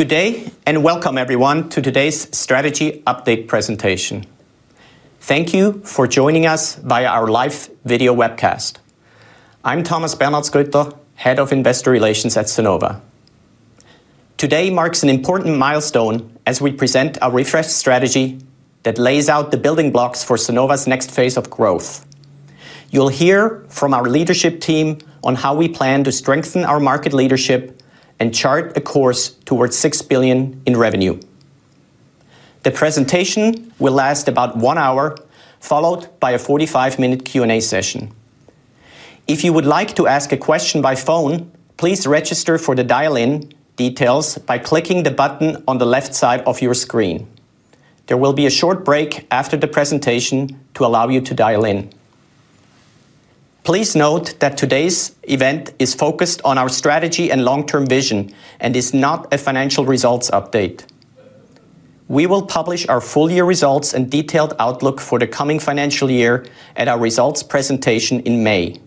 Good day, and welcome everyone to today's strategy update presentation. Thank you for joining us via our live video webcast. I'm Thomas Bernhardsgrütter, Head of Investor Relations at Sonova. Today marks an important milestone as we present our refreshed strategy that lays out the building blocks for Sonova's next phase of growth. You'll hear from our leadership team on how we plan to strengthen our market leadership and chart a course towards 6 billion in revenue. The presentation will last about one hour, followed by a 45-minute Q&A session. If you would like to ask a question by phone, please register for the dial-in details by clicking the button on the left side of your screen. There will be a short break after the presentation to allow you to dial in. Please note that today's event is focused on our strategy and long-term vision and is not a financial results update. We will publish our full year results and detailed outlook for the coming financial year at our results presentation in May.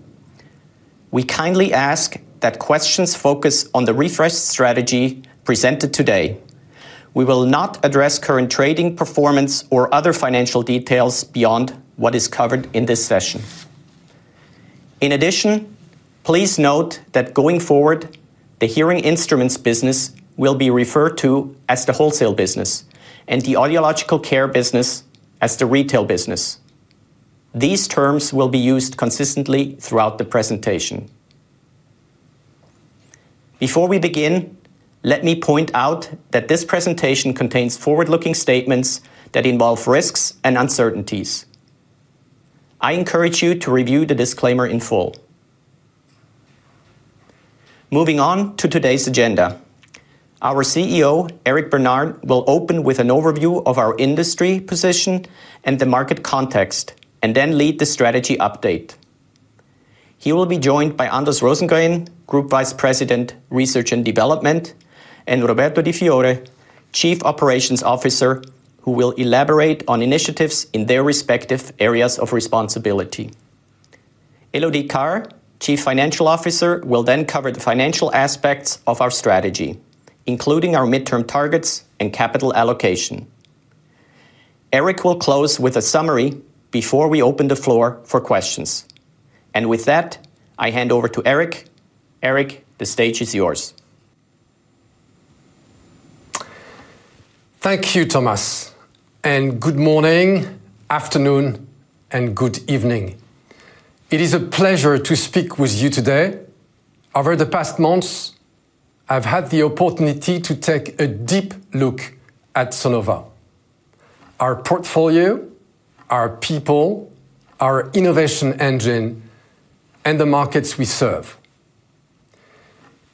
We kindly ask that questions focus on the refreshed strategy presented today. We will not address current trading performance or other financial details beyond what is covered in this session. In addition, please note that going forward, the hearing instruments business will be referred to as the wholesale business, and the audiological care business as the retail business. These terms will be used consistently throughout the presentation. Before we begin, let me point out that this presentation contains forward-looking statements that involve risks and uncertainties. I encourage you to review the disclaimer in full. Moving on to today's agenda. Our CEO, Eric Bernard, will open with an overview of our industry position and the market context, and then lead the strategy update. He will be joined by Anders Rosengren, Group Vice President, Research & Development, and Roberto di Fiore, Chief Operations Officer, who will elaborate on initiatives in their respective areas of responsibility. Elodie Carr-Cingari, Chief Financial Officer, will then cover the financial aspects of our strategy, including our midterm targets and capital allocation. Eric will close with a summary before we open the floor for questions. With that, I hand over to Eric. Eric, the stage is yours. Thank you, Thomas. Good morning, afternoon, and good evening. It is a pleasure to speak with you today. Over the past months, I've had the opportunity to take a deep look at Sonova, our portfolio, our people, our innovation engine, and the markets we serve.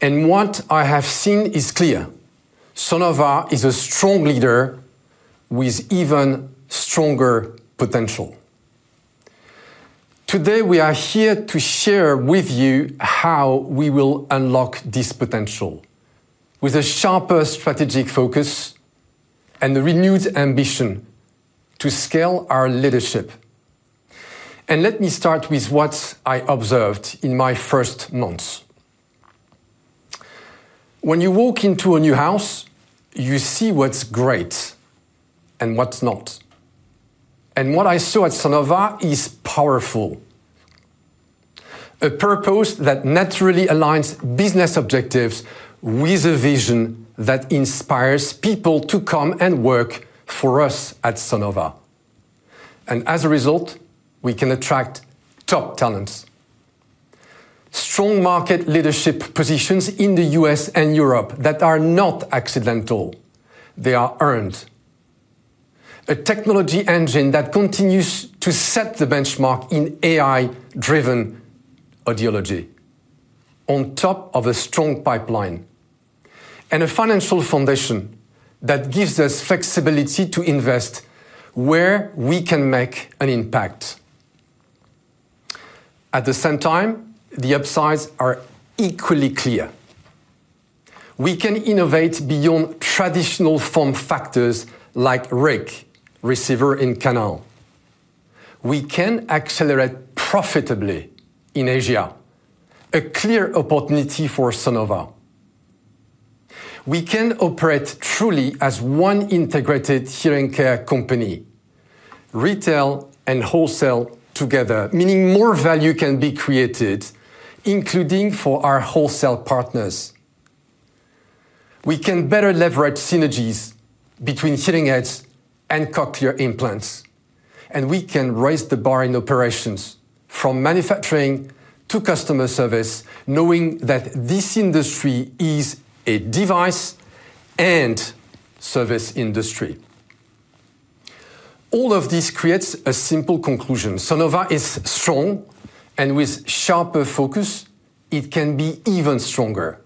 What I have seen is clear. Sonova is a strong leader with even stronger potential. Today, we are here to share with you how we will unlock this potential with a sharper strategic focus and a renewed ambition to scale our leadership. Let me start with what I observed in my first months. When you walk into a new house, you see what's great and what's not. What I saw at Sonova is powerful. A purpose that naturally aligns business objectives with a vision that inspires people to come and work for us at Sonova. As a result, we can attract top talents. Strong market leadership positions in the U.S. and Europe that are not accidental, they are earned. A technology engine that continues to set the benchmark in AI-driven audiology on top of a strong pipeline. A financial foundation that gives us flexibility to invest where we can make an impact. At the same time, the upsides are equally clear. We can innovate beyond traditional form factors like RIC, receiver-in-canal. We can accelerate profitably in Asia, a clear opportunity for Sonova. We can operate truly as one integrated hearing care company, retail and wholesale together, meaning more value can be created, including for our wholesale partners. We can better leverage synergies between hearing aids and cochlear implants, and we can raise the bar in operations from manufacturing to customer service, knowing that this industry is a device and service industry. All of this creates a simple conclusion. Sonova is strong, and with sharper focus, it can be even stronger.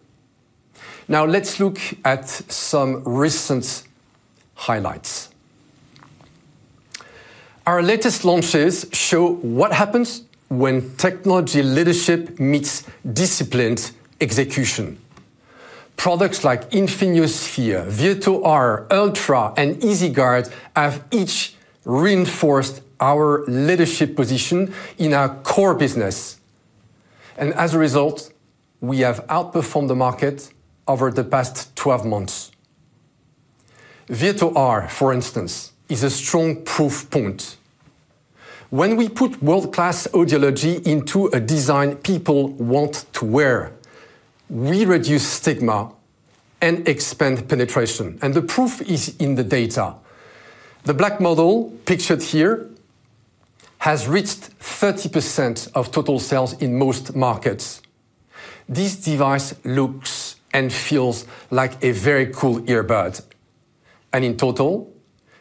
Now let's look at some recent highlights. Our latest launches show what happens when technology leadership meets disciplined execution. Products like Infinio Sphere, Virto R, Ultra, and EasyGuard have each reinforced our leadership position in our core business. As a result, we have outperformed the market over the past 12 months. Virto R, for instance, is a strong proof point. When we put world-class audiology into a design people want to wear, we reduce stigma and expand penetration. The proof is in the data. The black model pictured here has reached 30% of total sales in most markets. This device looks and feels like a very cool earbud. In total,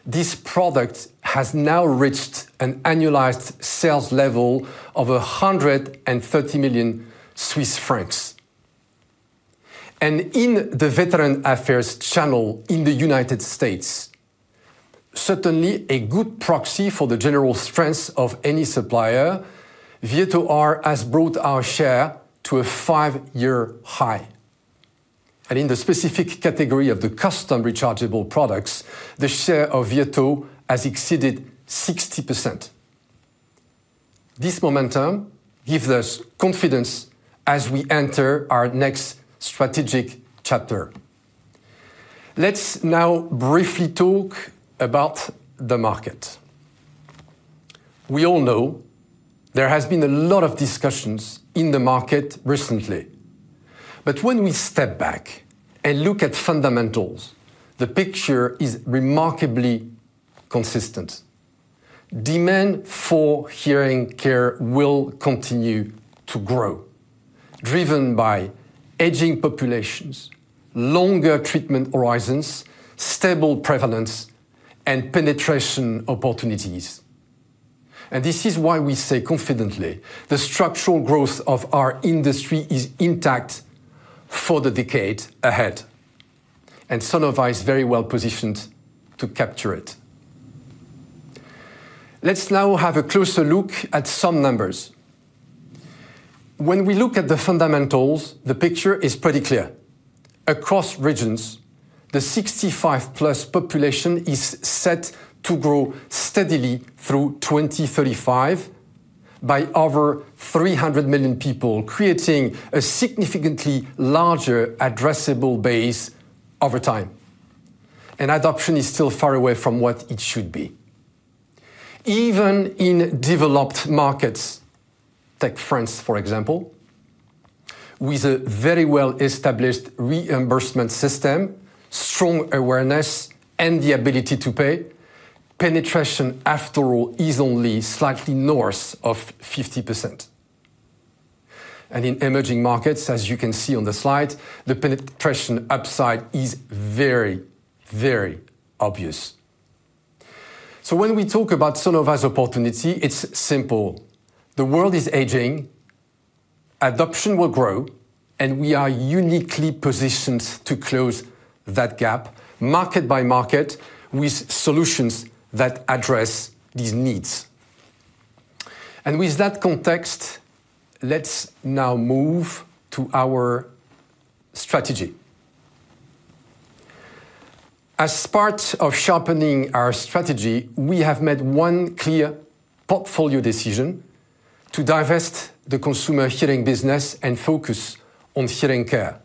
this product has now reached an annualized sales level of 130 million Swiss francs. In the Veterans Affairs channel in the United States, certainly a good proxy for the general strengths of any supplier, Virto R has brought our share to a five-year high. In the specific category of the custom rechargeable products, the share of Virto has exceeded 60%. This momentum gives us confidence as we enter our next strategic chapter. Let's now briefly talk about the market. We all know there has been a lot of discussions in the market recently, but when we step back and look at fundamentals, the picture is remarkably consistent. Demand for hearing care will continue to grow, driven by aging populations, longer treatment horizons, stable prevalence, and penetration opportunities. This is why we say confidently, the structural growth of our industry is intact for the decade ahead, and Sonova is very well positioned to capture it. Let's now have a closer look at some numbers. When we look at the fundamentals, the picture is pretty clear. Across regions, the 65+ population is set to grow steadily through 2035 by over 300 million people, creating a significantly larger addressable base over time. Adoption is still far away from what it should be. Even in developed markets, take France, for example, with a very well-established reimbursement system, strong awareness, and the ability to pay, penetration after all is only slightly north of 50%. In emerging markets, as you can see on the slide, the penetration upside is very, very obvious. When we talk about Sonova's opportunity, it's simple. The world is aging, adoption will grow, and we are uniquely positioned to close that gap market by market with solutions that address these needs. With that context, let's now move to our strategy. As part of sharpening our strategy, we have made one clear portfolio decision to divest the Consumer Hearing business and focus on hearing care.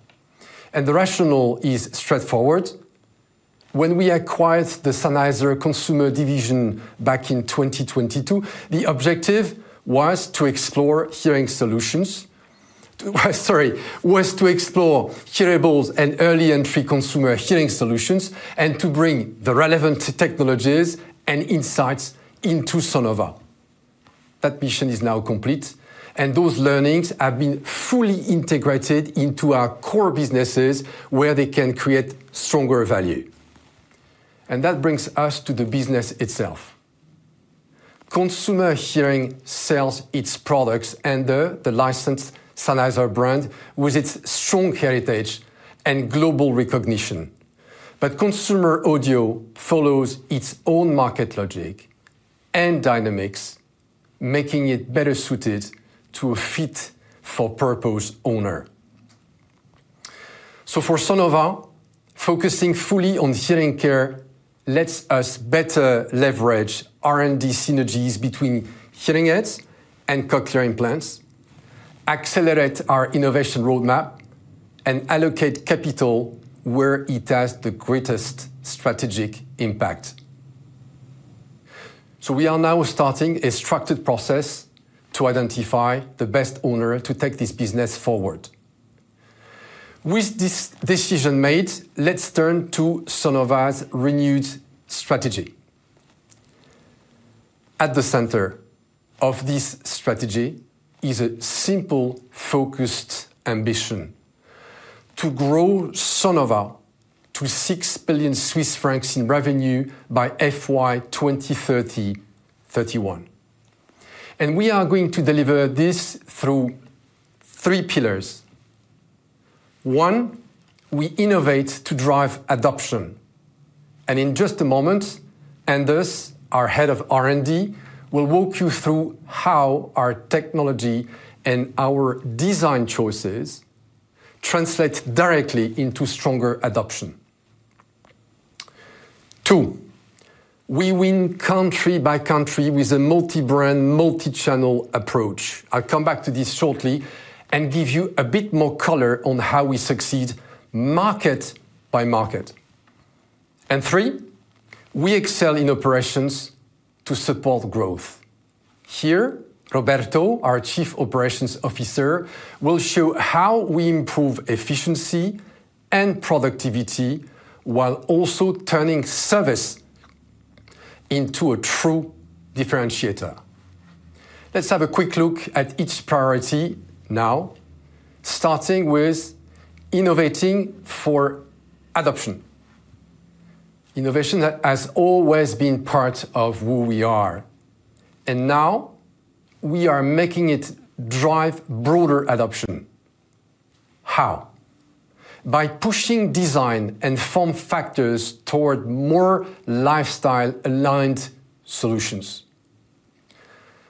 The rationale is straightforward. When we acquired the Sennheiser consumer division back in 2022, the objective was to explore hearables and early and free consumer hearing solutions and to bring the relevant technologies and insights into Sonova. That mission is now complete, and those learnings have been fully integrated into our core businesses where they can create stronger value. That brings us to the business itself. Consumer Hearing sells its products under the licensed Sennheiser brand with its strong heritage and global recognition. Consumer audio follows its own market logic and dynamics, making it better suited to a fit-for-purpose owner. For Sonova, focusing fully on hearing care lets us better leverage R&D synergies between hearing aids and cochlear implants, accelerate our innovation roadmap, and allocate capital where it has the greatest strategic impact. We are now starting a structured process to identify the best owner to take this business forward. With this decision made, let's turn to Sonova's renewed strategy. At the center of this strategy is a simple, focused ambition to grow Sonova to 6 billion Swiss francs in revenue by FY 2031. We are going to deliver this through three pillars. One, we innovate to drive adoption. In just a moment, Anders, our head of R&D, will walk you through how our technology and our design choices translate directly into stronger adoption. Two, we win country by country with a multi-brand, multi-channel approach. I'll come back to this shortly and give you a bit more color on how we succeed market by market. Three, we excel in operations to support growth. Here, Roberto, our Chief Operations Officer, will show how we improve efficiency and productivity while also turning service into a true differentiator. Let's have a quick look at each priority now, starting with innovating for adoption. Innovation that has always been part of who we are, and now we are making it drive broader adoption. How? By pushing design and form factors toward more lifestyle-aligned solutions,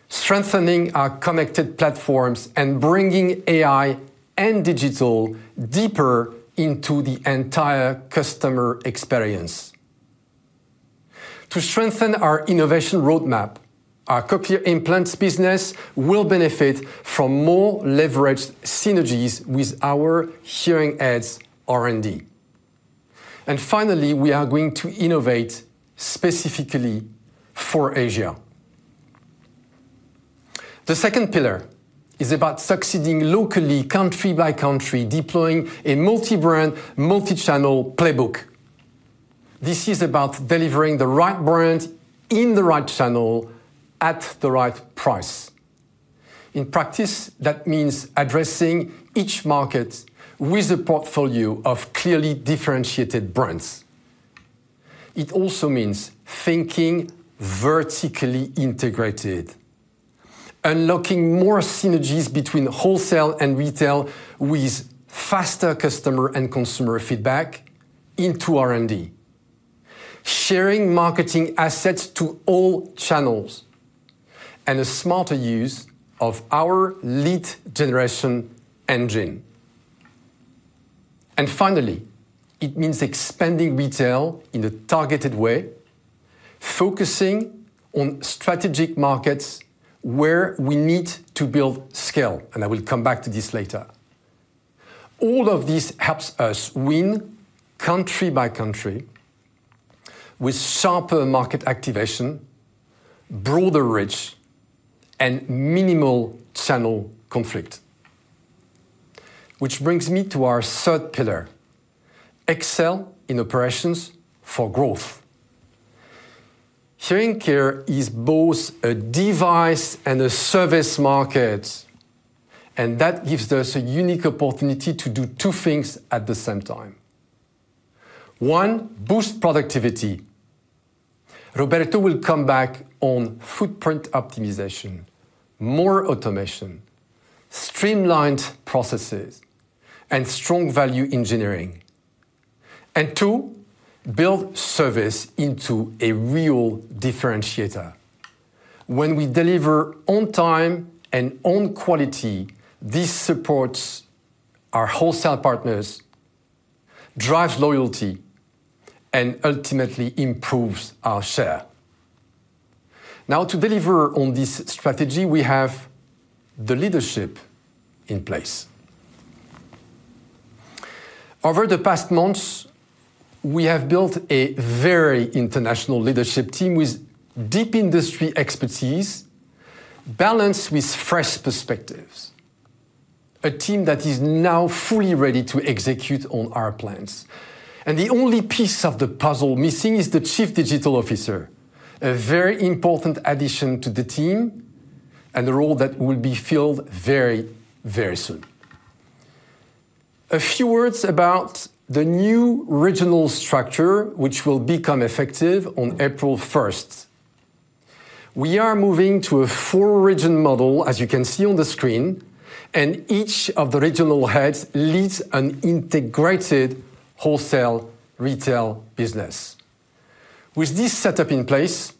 strengthening our connected platforms, and bringing AI and digital deeper into the entire customer experience. To strengthen our innovation roadmap, our cochlear implants business will benefit from more leveraged synergies with our hearing aids R&D. Finally, we are going to innovate specifically for Asia. The second pillar is about succeeding locally country by country, deploying a multi-brand, multi-channel playbook. This is about delivering the right brand in the right channel at the right price. In practice, that means addressing each market with a portfolio of clearly differentiated brands. It also means thinking vertically integrated, unlocking more synergies between wholesale and retail with faster customer and consumer feedback into R&D. Sharing marketing assets to all channels, and a smarter use of our lead generation engine. Finally, it means expanding retail in a targeted way, focusing on strategic markets where we need to build scale, and I will come back to this later. All of this helps us win country by country with sharper market activation, broader reach, and minimal channel conflict. Which brings me to our third pillar, Excel in operations for growth. Hearing care is both a device and a service market, and that gives us a unique opportunity to do two things at the same time. One, boost productivity. Roberto will come back on footprint optimization, more automation, streamlined processes, and strong value engineering. Two, build service into a real differentiator. When we deliver on time and on quality, this supports our wholesale partners, drives loyalty, and ultimately improves our share. Now, to deliver on this strategy, we have the leadership in place. Over the past months, we have built a very international leadership team with deep industry expertise balanced with fresh perspectives. A team that is now fully ready to execute on our plans. The only piece of the puzzle missing is the chief digital officer, a very important addition to the team and a role that will be filled very, very soon. A few words about the new regional structure, which will become effective on April first. We are moving to a four-region model, as you can see on the screen, and each of the regional heads leads an integrated wholesale retail business. With this setup in place,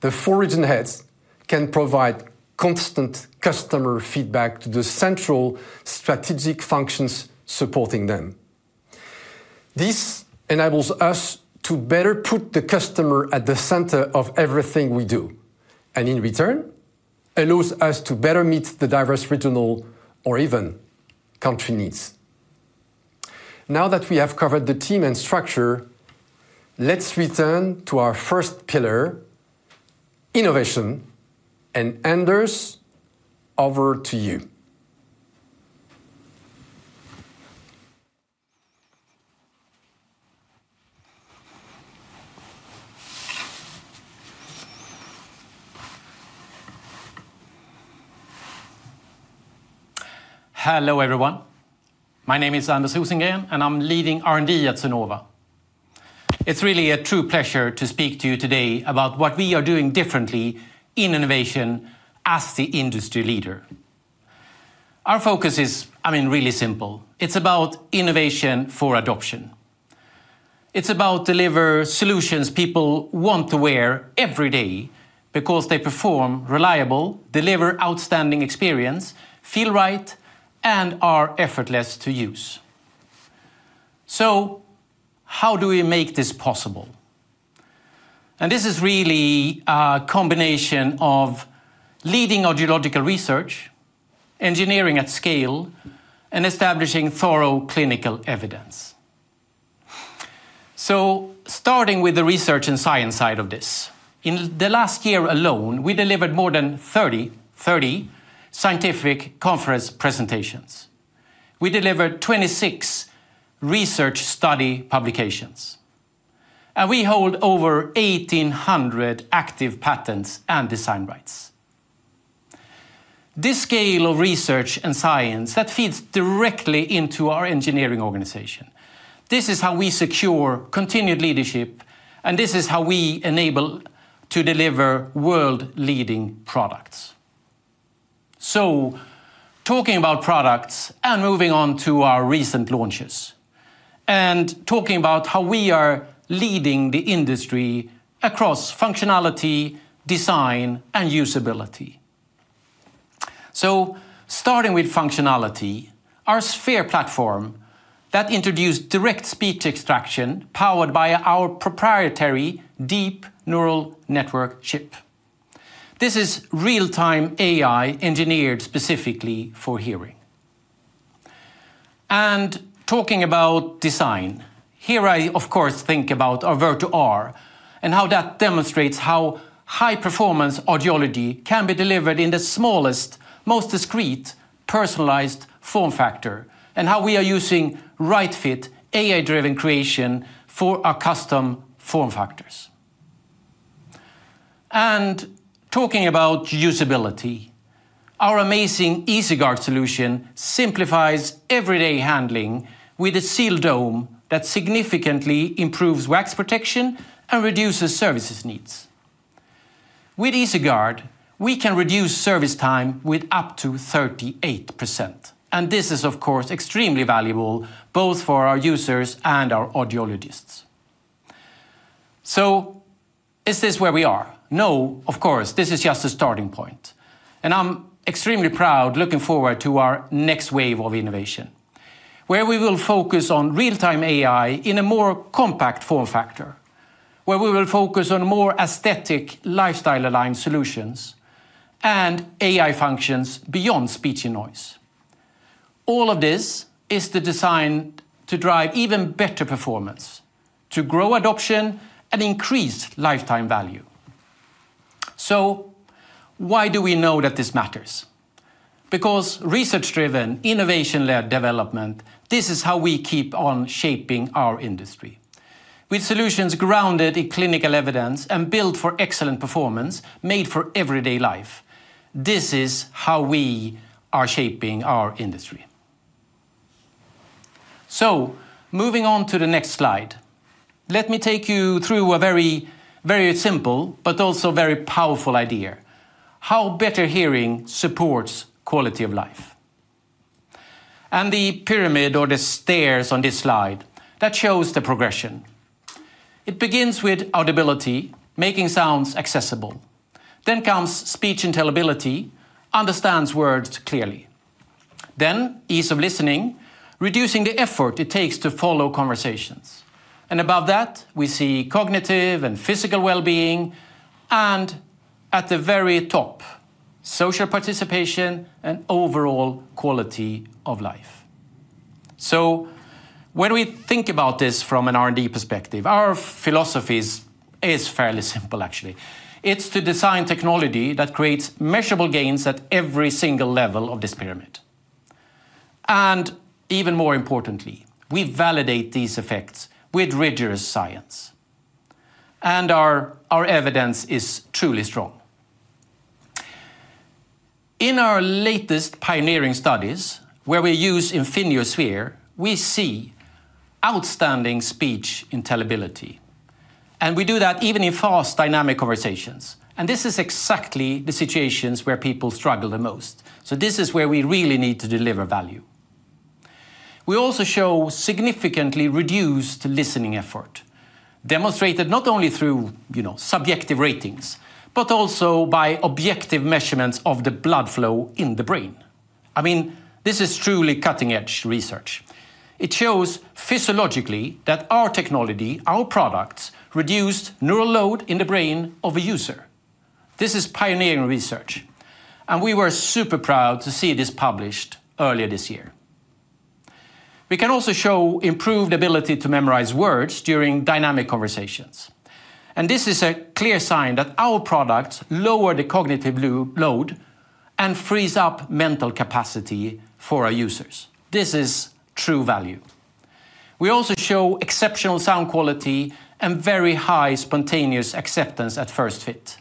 the four region heads can provide constant customer feedback to the central strategic functions supporting them. This enables us to better put the customer at the center of everything we do, and in return, allows us to better meet the diverse regional or even country needs. Now that we have covered the team and structure, let's return to our first pillar, innovation. Anders, over to you. Hello, everyone. My name is Anders Rosengren, and I'm leading R&D at Sonova. It's really a true pleasure to speak to you today about what we are doing differently in innovation as the industry leader. Our focus is, I mean, really simple. It's about innovation for adoption. It's about deliver solutions people want to wear every day. Because they perform reliable, deliver outstanding experience, feel right, and are effortless to use. How do we make this possible? This is really a combination of leading audiological research, engineering at scale, and establishing thorough clinical evidence. Starting with the research and science side of this, in the last year alone, we delivered more than 30 scientific conference presentations. We delivered 26 research study publications, and we hold over 1,800 active patents and design rights. This scale of research and science, that feeds directly into our engineering organization. This is how we secure continued leadership, and this is how we enable to deliver world-leading products. Talking about products and moving on to our recent launches, and talking about how we are leading the industry across functionality, design, and usability. Starting with functionality, our Sphere platform that introduced direct speech extraction powered by our proprietary deep neural network chip. This is real-time AI engineered specifically for hearing. Talking about design, here I of course think about our Virto R and how that demonstrates how high performance audiology can be delivered in the smallest, most discreet, personalized form factor, and how we are using RightFit AI-driven creation for our custom form factors. Talking about usability, our amazing EasyGuard solution simplifies everyday handling with a sealed dome that significantly improves wax protection and reduces services needs. With EasyGuard, we can reduce service time with up to 38%, and this is of course extremely valuable both for our users and our audiologists. Is this where we are? No, of course, this is just a starting point, and I'm extremely proud looking forward to our next wave of innovation, where we will focus on real-time AI in a more compact form factor, where we will focus on more aesthetic lifestyle aligned solutions and AI functions beyond speech and noise. All of this is the design to drive even better performance, to grow adoption and increase lifetime value. Why do we know that this matters? Because research driven, innovation-led development, this is how we keep on shaping our industry. With solutions grounded in clinical evidence and built for excellent performance made for everyday life, this is how we are shaping our industry. Moving on to the next slide, let me take you through a very, very simple but also very powerful idea, how better hearing supports quality of life. The pyramid or the stairs on this slide, that shows the progression. It begins with audibility, making sounds accessible. Comes speech intelligibility, understands words clearly. Ease of listening, reducing the effort it takes to follow conversations. Above that, we see cognitive and physical well-being, and at the very top, social participation and overall quality of life. When we think about this from an R&D perspective, our philosophies is fairly simple actually. It's to design technology that creates measurable gains at every single level of this pyramid. Even more importantly, we validate these effects with rigorous science, and our evidence is truly strong. In our latest pioneering studies where we use Infinio Sphere, we see outstanding speech intelligibility, and we do that even in fast dynamic conversations. This is exactly the situations where people struggle the most. This is where we really need to deliver value. We also show significantly reduced listening effort, demonstrated not only through, you know, subjective ratings, but also by objective measurements of the blood flow in the brain. I mean, this is truly cutting-edge research. It shows physiologically that our technology, our products reduced neural load in the brain of a user. This is pioneering research, and we were super proud to see this published earlier this year. We can also show improved ability to memorize words during dynamic conversations, and this is a clear sign that our products lower the cognitive load and frees up mental capacity for our users. This is true value. We also show exceptional sound quality and very high spontaneous acceptance at first fit.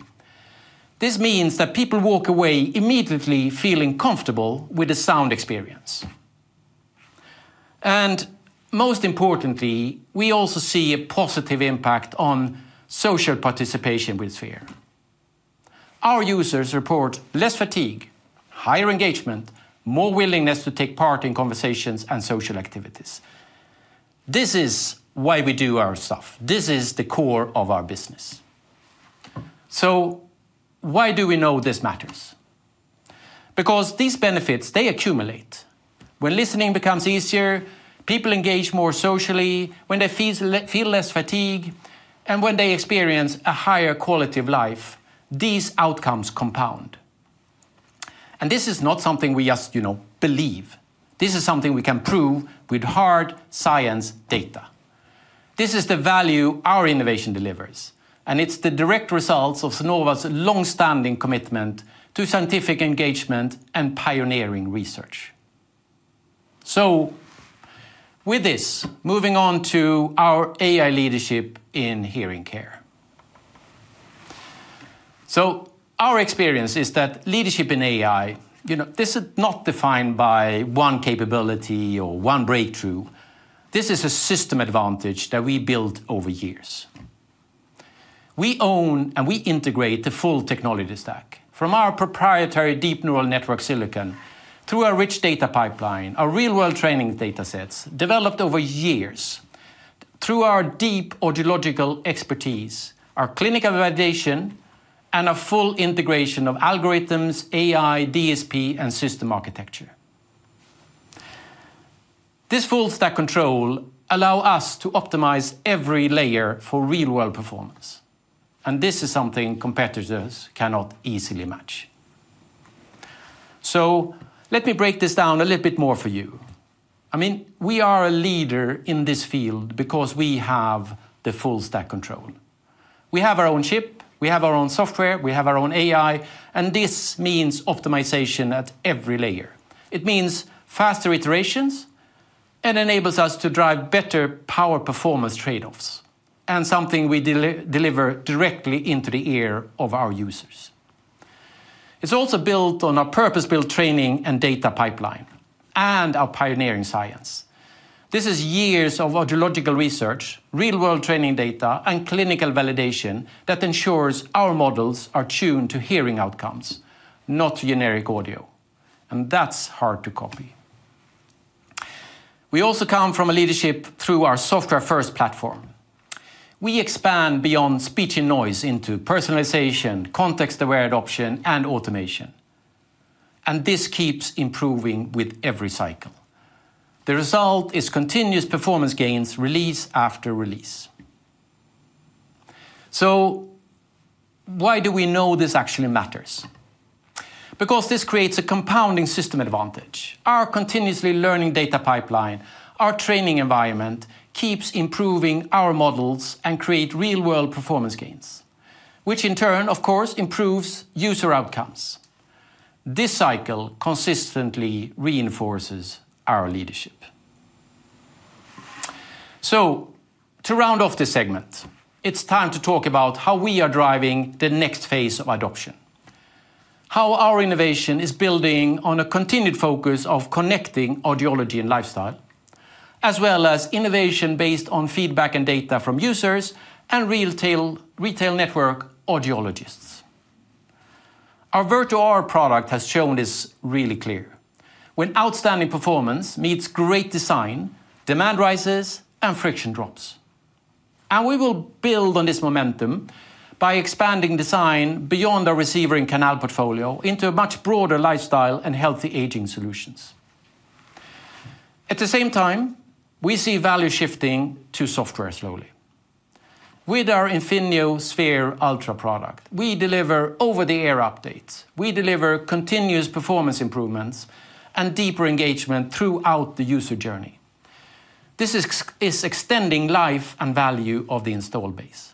This means that people walk away immediately feeling comfortable with the sound experience. Most importantly, we also see a positive impact on social participation with Sphere. Our users report less fatigue, higher engagement, more willingness to take part in conversations and social activities. This is why we do our stuff. This is the core of our business. Why do we know this matters? Because these benefits, they accumulate. When listening becomes easier, people engage more socially, when they feel less fatigue, and when they experience a higher quality of life, these outcomes compound. This is not something we just, you know, believe. This is something we can prove with hard science data. This is the value our innovation delivers, and it's the direct results of Sonova's long-standing commitment to scientific engagement and pioneering research. With this, moving on to our AI leadership in hearing care. Our experience is that leadership in AI, you know, this is not defined by one capability or one breakthrough. This is a system advantage that we built over years. We own and we integrate the full technology stack. From our proprietary deep neural network silicon, through our rich data pipeline, our real-world training data sets developed over years, through our deep audiological expertise, our clinical validation, and a full integration of algorithms, AI, DSP, and system architecture. This full stack control allow us to optimize every layer for real-world performance, and this is something competitors cannot easily match. Let me break this down a little bit more for you. I mean, we are a leader in this field because we have the full stack control. We have our own chip, we have our own software, we have our own AI, and this means optimization at every layer. It means faster iterations and enables us to drive better power performance trade-offs, and something we deliver directly into the ear of our users. It's also built on a purpose-built training and data pipeline and our pioneering science. This is years of audiological research, real-world training data, and clinical validation that ensures our models are tuned to hearing outcomes, not generic audio, and that's hard to copy. We also come from a leadership through our software-first platform. We expand beyond speech in noise into personalization, context-aware adoption, and automation, and this keeps improving with every cycle. The result is continuous performance gains release after release. Why do we know this actually matters? Because this creates a compounding system advantage. Our continuously learning data pipeline, our training environment, keeps improving our models and create real-world performance gains, which in turn, of course, improves user outcomes. This cycle consistently reinforces our leadership. To round off this segment, it's time to talk about how we are driving the next phase of adoption, how our innovation is building on a continued focus of connecting audiology and lifestyle, as well as innovation based on feedback and data from users and retail network audiologists. Our Virto R product has shown this really clear. When outstanding performance meets great design, demand rises and friction drops. We will build on this momentum by expanding design beyond our receiver and canal portfolio into a much broader lifestyle and healthy aging solutions. At the same time, we see value shifting to software slowly. With our Infinio Sphere Ultra product, we deliver over-the-air updates. We deliver continuous performance improvements and deeper engagement throughout the user journey. This is extending life and value of the install base.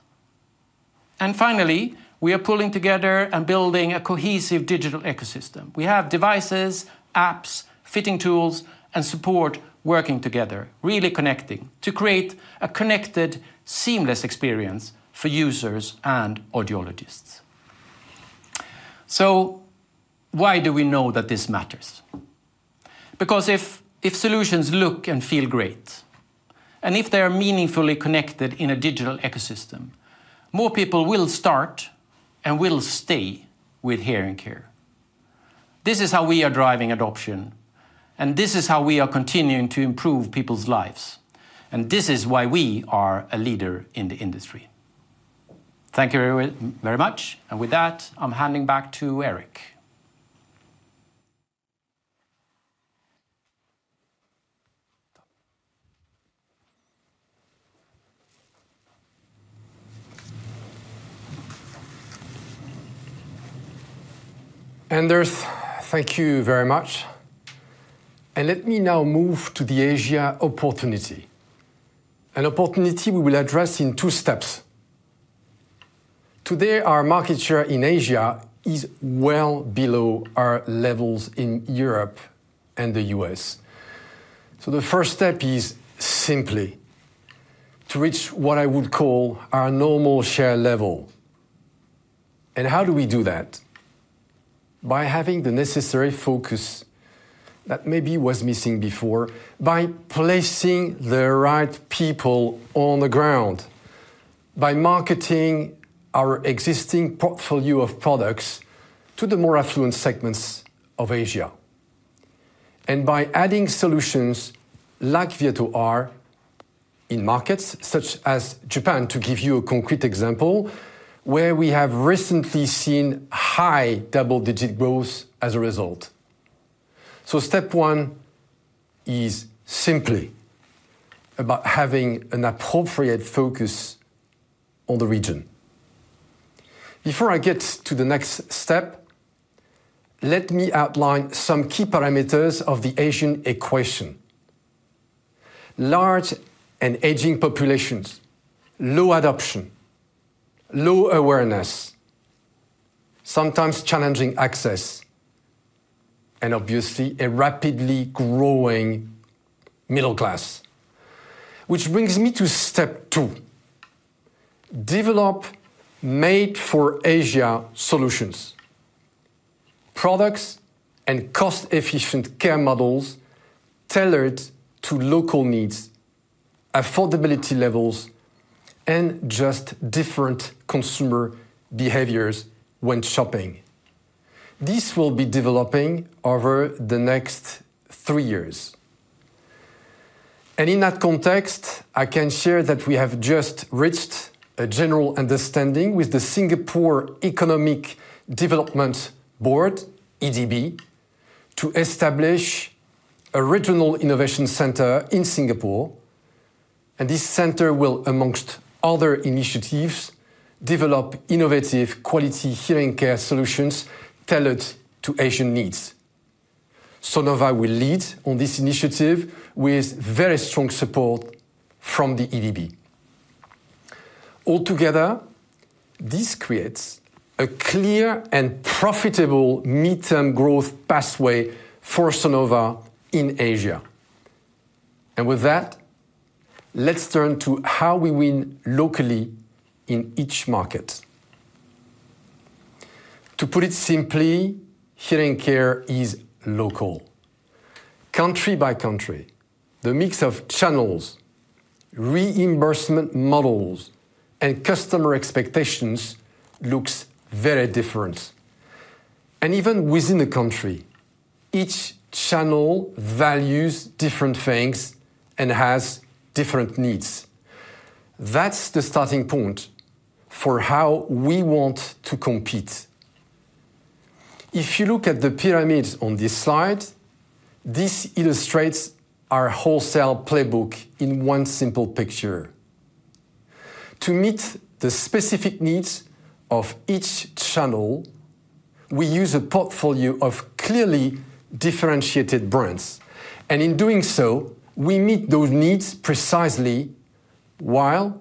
Finally, we are pulling together and building a cohesive digital ecosystem. We have devices, apps, fitting tools, and support working together, really connecting to create a connected, seamless experience for users and audiologists. Why do we know that this matters? Because if solutions look and feel great, and if they are meaningfully connected in a digital ecosystem, more people will start and will stay with hearing care. This is how we are driving adoption, and this is how we are continuing to improve people's lives, and this is why we are a leader in the industry. Thank you very, very much. With that, I'm handing back to Eric. Anders, thank you very much. Let me now move to the Asia opportunity, an opportunity we will address in two steps. Today, our market share in Asia is well below our levels in Europe and the U.S. The first step is simply to reach what I would call our normal share level. How do we do that? By having the necessary focus that maybe was missing before, by placing the right people on the ground. By marketing our existing portfolio of products to the more affluent segments of Asia, and by adding solutions like Virto R in markets such as Japan, to give you a concrete example, where we have recently seen high double-digit growth as a result. Step one is simply about having an appropriate focus on the region. Before I get to the next step, let me outline some key parameters of the Asian equation. Large and aging populations, low adoption, low awareness, sometimes challenging access, and obviously a rapidly growing middle class. Which brings me to step two, develop made-for-Asia solutions, products and cost-efficient care models tailored to local needs, affordability levels, and just different consumer behaviors when shopping. This will be developing over the next three years. In that context, I can share that we have just reached a general understanding with the Singapore Economic Development Board, EDB, to establish a regional innovation center in Singapore. This center will, amongst other initiatives, develop innovative quality hearing care solutions tailored to Asian needs. Sonova will lead on this initiative with very strong support from the EDB. Altogether, this creates a clear and profitable midterm growth pathway for Sonova in Asia. With that, let's turn to how we win locally in each market. To put it simply, hearing care is local. Country by country, the mix of channels, reimbursement models, and customer expectations looks very different. Even within the country, each channel values different things and has different needs. That's the starting point for how we want to compete. If you look at the pyramid on this slide, this illustrates our wholesale playbook in one simple picture. To meet the specific needs of each channel, we use a portfolio of clearly differentiated brands, and in doing so, we meet those needs precisely while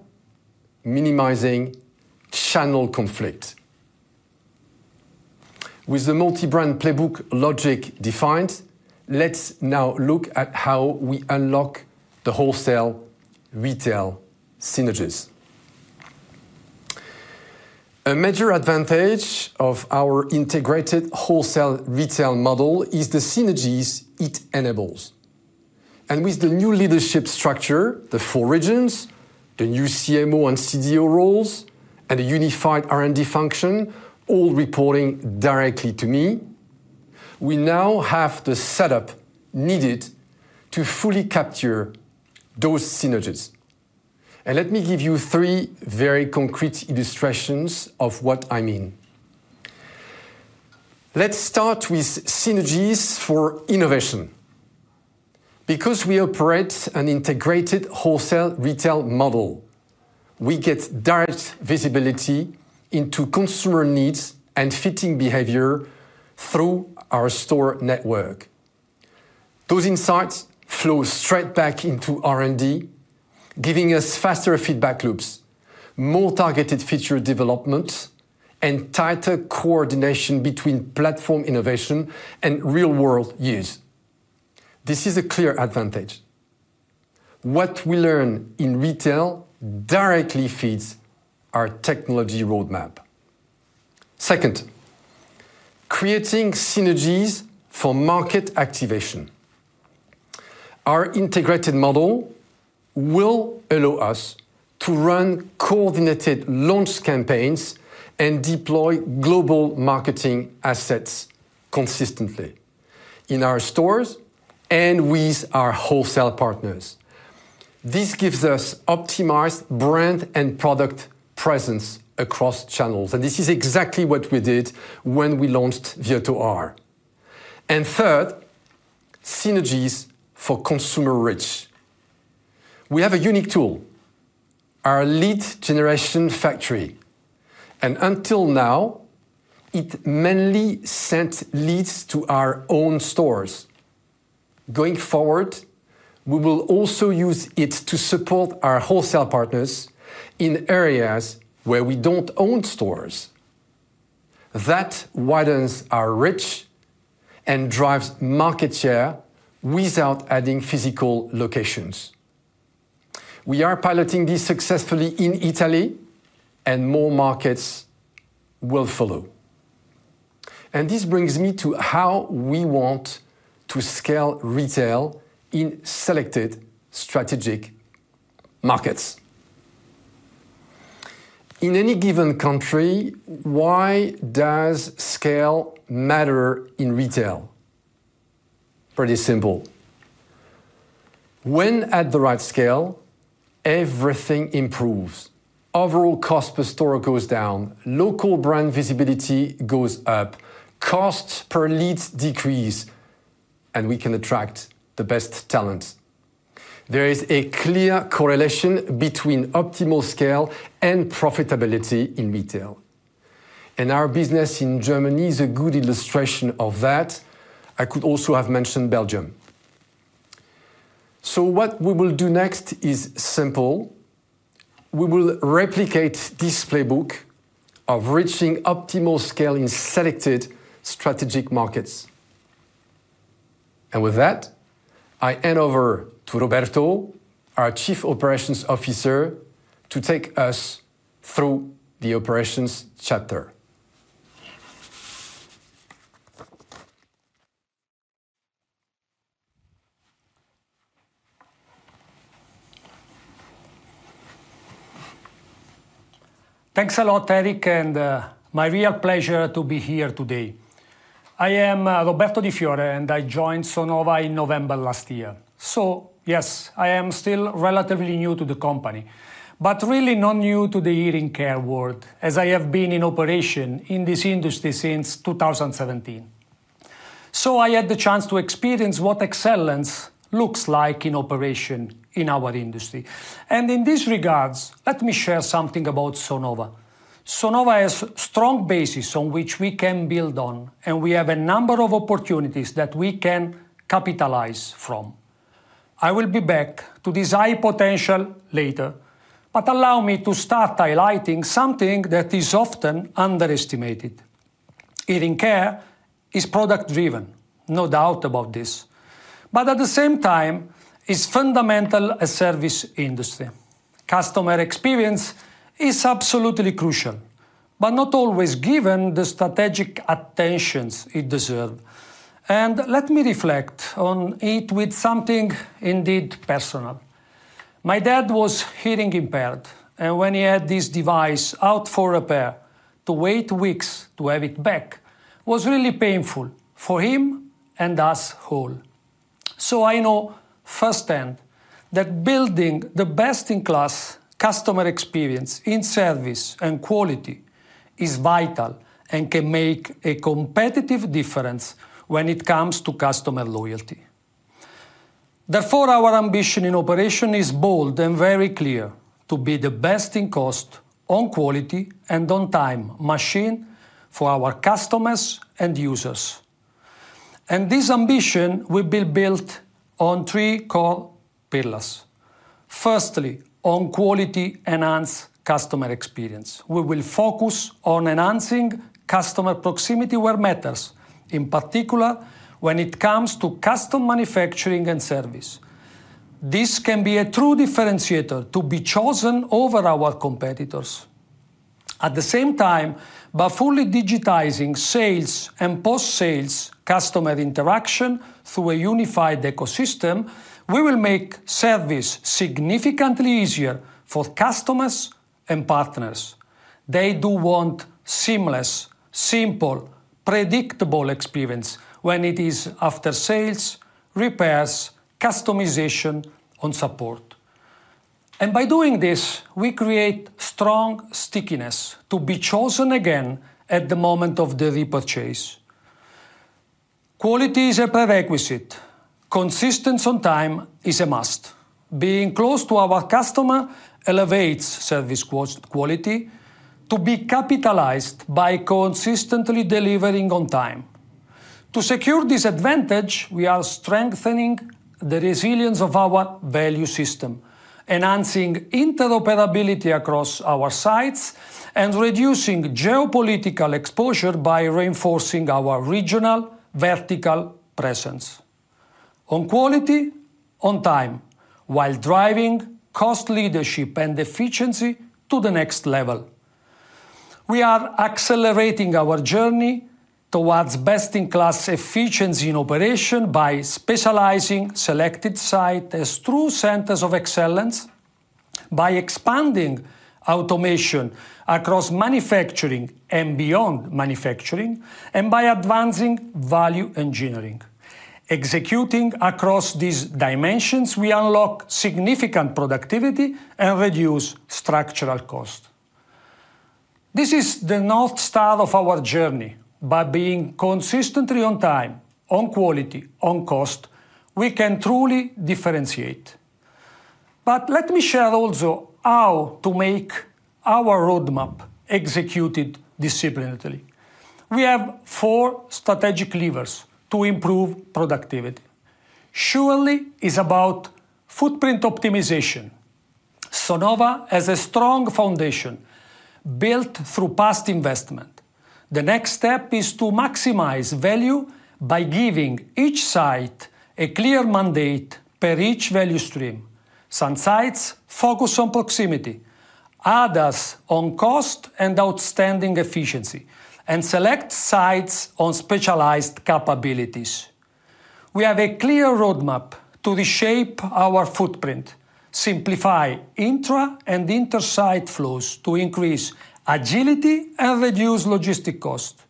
minimizing channel conflict. With the multi-brand playbook logic defined, let's now look at how we unlock the wholesale/retail synergies. A major advantage of our integrated wholesale retail model is the synergies it enables. With the new leadership structure, the four regions, the new CMO and CDO roles, and a unified R&D function, all reporting directly to me, we now have the setup needed to fully capture those synergies. Let me give you three very concrete illustrations of what I mean. Let's start with synergies for innovation. Because we operate an integrated wholesale retail model, we get direct visibility into consumer needs and fitting behavior through our store network. Those insights flow straight back into R&D, giving us faster feedback loops, more targeted feature development, and tighter coordination between platform innovation and real-world use. This is a clear advantage. What we learn in retail directly feeds our technology roadmap. Second, creating synergies for market activation. Our integrated model will allow us to run coordinated launch campaigns and deploy global marketing assets consistently in our stores and with our wholesale partners. This gives us optimized brand and product presence across channels, and this is exactly what we did when we launched Virto R. Third, synergies for consumer reach. We have a unique tool, our lead generation factory, and until now, it mainly sent leads to our own stores. Going forward, we will also use it to support our wholesale partners in areas where we don't own stores. That widens our reach and drives market share without adding physical locations. We are piloting this successfully in Italy and more markets will follow. This brings me to how we want to scale retail in selected strategic markets. In any given country, why does scale matter in retail? Pretty simple. When at the right scale, everything improves. Overall cost per store goes down, local brand visibility goes up, cost per lead decrease, and we can attract the best talent. There is a clear correlation between optimal scale and profitability in retail. Our business in Germany is a good illustration of that. I could also have mentioned Belgium. What we will do next is simple. We will replicate this playbook of reaching optimal scale in selected strategic markets. With that, I hand over to Roberto, our Chief Operations Officer, to take us through the operations chapter. Thanks a lot, Eric, and my real pleasure to be here today. I am Roberto di Fiore, and I joined Sonova in November last year. Yes, I am still relatively new to the company, but really not new to the hearing care world, as I have been in operation in this industry since 2017. I had the chance to experience what excellence looks like in operation in our industry. In this regard, let me share something about Sonova. Sonova has strong basis on which we can build on, and we have a number of opportunities that we can capitalize from. I will be back to this high potential later, but allow me to start highlighting something that is often underestimated. Hearing care is product-driven, no doubt about this, but at the same time, it's fundamentally a service industry. Customer experience is absolutely crucial, but not always given the strategic attention it deserves. Let me reflect on it with something indeed personal. My dad was hearing impaired, and when he had this device out for repair, to wait weeks to have it back was really painful for him and us all. I know firsthand that building the best-in-class customer experience in service and quality is vital and can make a competitive difference when it comes to customer loyalty. Therefore, our ambition in operations is bold and very clear, to be the best in cost, on quality, and on-time machining for our customers and users. This ambition will be built on three core pillars. Firstly, on quality-enhanced customer experience. We will focus on enhancing customer proximity where it matters, in particular, when it comes to custom manufacturing and service. This can be a true differentiator to be chosen over our competitors. At the same time, by fully digitizing sales and post-sales customer interaction through a unified ecosystem, we will make service significantly easier for customers and partners. They do want seamless, simple, predictable experience when it is after sales, repairs, customization, and support. By doing this, we create strong stickiness to be chosen again at the moment of the repurchase. Quality is a prerequisite. Consistency on time is a must. Being close to our customer elevates service quality to be capitalized by consistently delivering on time. To secure this advantage, we are strengthening the resilience of our value system, enhancing interoperability across our sites, and reducing geopolitical exposure by reinforcing our regional vertical presence. On quality, on time, while driving cost leadership and efficiency to the next level. We are accelerating our journey towards best-in-class efficiency in operations by specializing selected sites as true centers of excellence by expanding automation across manufacturing and beyond manufacturing and by advancing value engineering. Executing across these dimensions, we unlock significant productivity and reduce structural costs. This is the North Star of our journey. By being consistently on time, on quality, on cost, we can truly differentiate. Let me share also how to execute our roadmap disciplinedly. We have four strategic levers to improve productivity. The first is about footprint optimization. Sonova has a strong foundation built through past investment. The next step is to maximize value by giving each site a clear mandate per each value stream. Some sites focus on proximity and cost and outstanding efficiency, and select sites on specialized capabilities. We have a clear roadmap to reshape our footprint, simplify intra- and inter-site flows to increase agility and reduce logistics cost.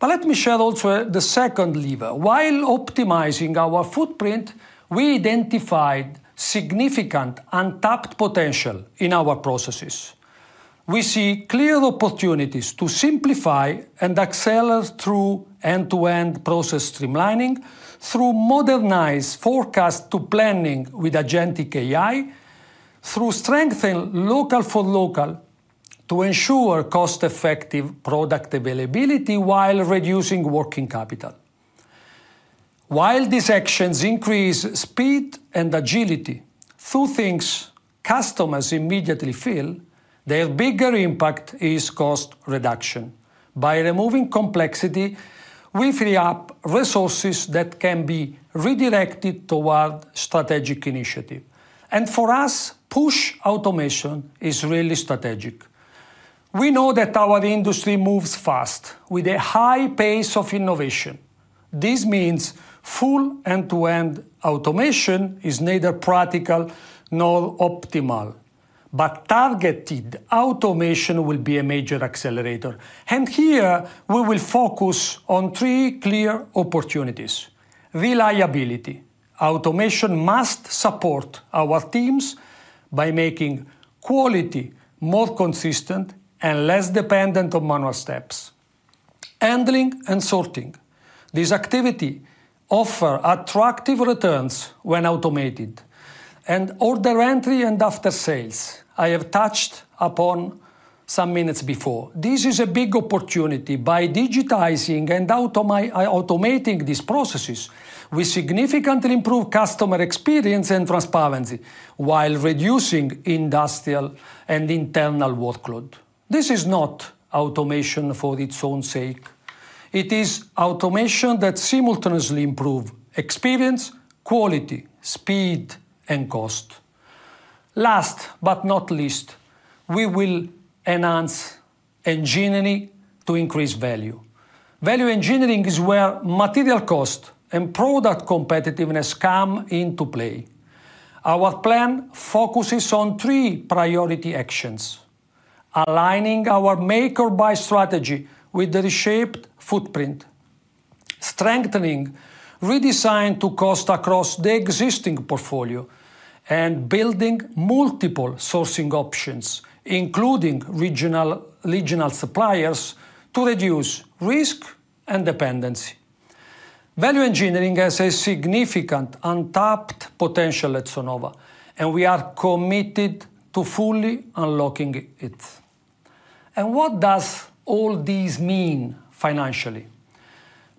Let me share also the second lever. While optimizing our footprint, we identified significant untapped potential in our processes. We see clear opportunities to simplify and accelerate through end-to-end process streamlining, through modernized forecast-to-planning with agentic AI, through strengthening local-for-local to ensure cost-effective product availability while reducing working capital. While these actions increase speed and agility through things customers immediately feel, their bigger impact is cost reduction. By removing complexity, we free up resources that can be redirected toward strategic initiative. For us, pushing automation is really strategic. We know that our industry moves fast with a high pace of innovation. This means full end-to-end automation is neither practical nor optimal, but targeted automation will be a major accelerator. Here we will focus on three clear opportunities. Reliability. Automation must support our teams by making quality more consistent and less dependent on manual steps. Handling and sorting. This activity offer attractive returns when automated. Order entry and after-sales, I have touched upon some minutes before. This is a big opportunity. By digitizing and automating these processes, we significantly improve customer experience and transparency while reducing industrial and internal workload. This is not automation for its own sake. It is automation that simultaneously improve experience, quality, speed, and cost. Last but not least, we will enhance engineering to increase value. Value engineering is where material cost and product competitiveness come into play. Our plan focuses on three priority actions. Aligning our make or buy strategy with the reshaped footprint, strengthening redesigned to cost across the existing portfolio, and building multiple sourcing options, including regional suppliers to reduce risk and dependency. Value engineering has a significant untapped potential at Sonova, and we are committed to fully unlocking it. What does all this mean financially?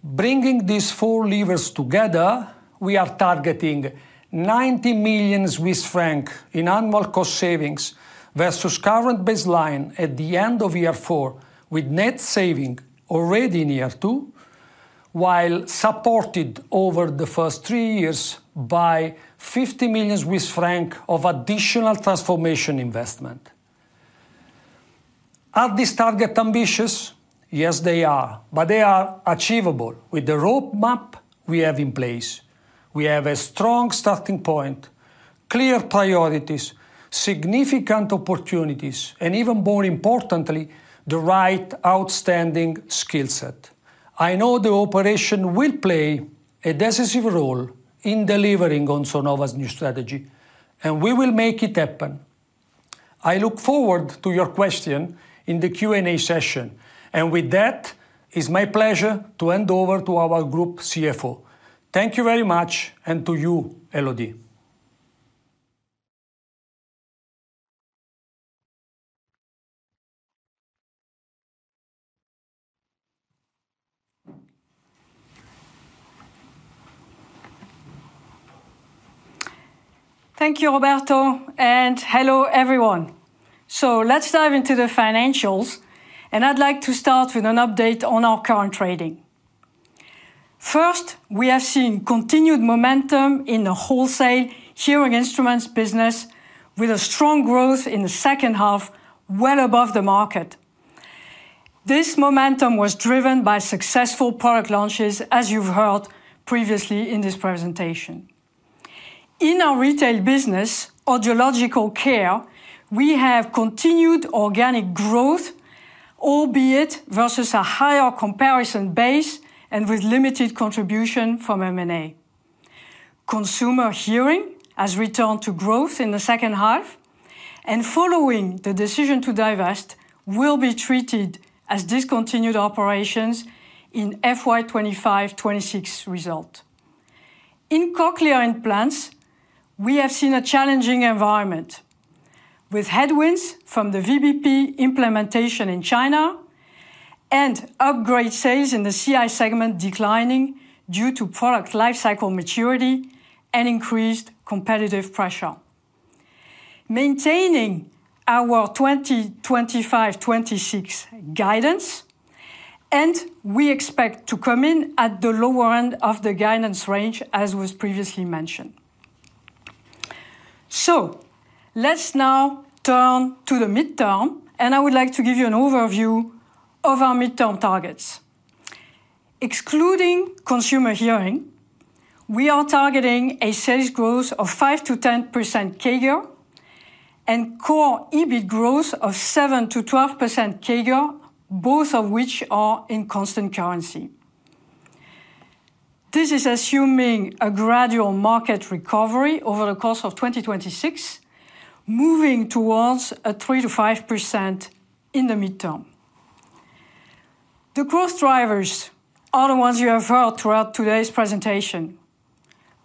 Bringing these four levers together, we are targeting 90 million Swiss francs in annual cost savings versus current baseline at the end of year four, with net savings already in year two, while supported over the first three years by 50 million Swiss francs of additional transformation investment. Are these targets ambitious? Yes, they are, but they are achievable with the roadmap we have in place. We have a strong starting point, clear priorities, significant opportunities, and even more importantly, the right outstanding skill set. I know the operation will play a decisive role in delivering on Sonova's new strategy, and we will make it happen. I look forward to your question in the Q&A session. With that, it's my pleasure to hand over to our group CFO. Thank you very much, and to you, Elodie. Thank you, Roberto, and hello, everyone. Let's dive into the financials, and I'd like to start with an update on our current trading. First, we have seen continued momentum in the wholesale Hearing Instruments business with a strong growth in the second half, well above the market. This momentum was driven by successful product launches, as you've heard previously in this presentation. In our retail business, Audiological Care, we have continued organic growth, albeit versus a higher comparison base and with limited contribution from M&A. Consumer Hearing has returned to growth in the second half, and following the decision to divest, will be treated as discontinued operations in FY 2025, 2026 result. In cochlear implants, we have seen a challenging environment with headwinds from the VBP implementation in China and upgrade sales in the CI segment declining due to product lifecycle maturity and increased competitive pressure. Maintaining our 2025-26 guidance. We expect to come in at the lower end of the guidance range, as was previously mentioned. Let's now turn to the midterm, and I would like to give you an overview of our midterm targets. Excluding Consumer Hearing, we are targeting a sales growth of 5%-10% CAGR and core EBIT growth of 7%-12% CAGR, both of which are in constant currency. This is assuming a gradual market recovery over the course of 2026, moving towards a 3%-5% in the midterm. The growth drivers are the ones you have heard throughout today's presentation.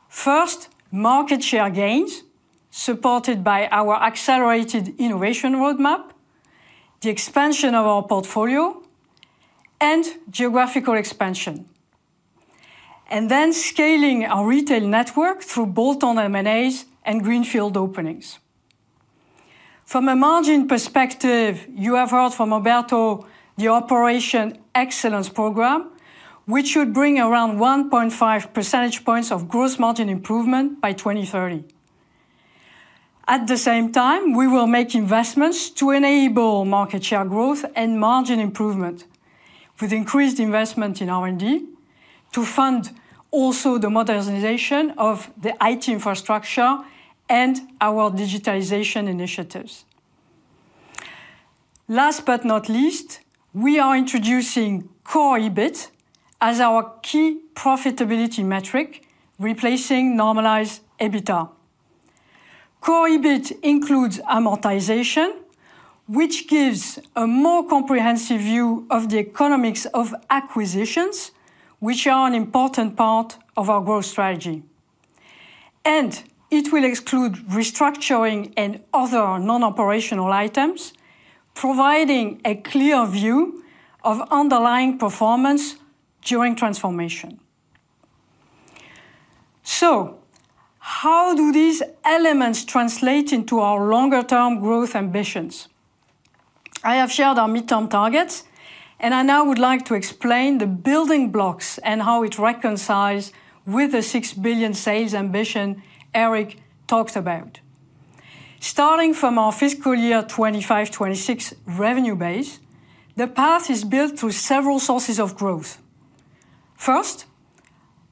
First, market share gains, supported by our accelerated innovation roadmap, the expansion of our portfolio and geographical expansion. Scaling our retail network through bolt-on M&As and greenfield openings. From a margin perspective, you have heard from Roberto di Fiore the operational excellence program, which should bring around 1.5 percentage points of gross margin improvement by 2030. At the same time, we will make investments to enable market share growth and margin improvement with increased investment in R&D to fund also the modernization of the IT infrastructure and our digitalization initiatives. Last but not least, we are introducing core EBIT as our key profitability metric, replacing normalized EBITDA. Core EBIT includes amortization, which gives a more comprehensive view of the economics of acquisitions, which are an important part of our growth strategy. It will exclude restructuring and other non-operational items, providing a clear view of underlying performance during transformation. How do these elements translate into our longer-term growth ambitions? I have shared our midterm targets, and I now would like to explain the building blocks and how it reconciles with the 6 billion sales ambition Eric talked about. Starting from our fiscal year 2025/2026 revenue base, the path is built through several sources of growth. First,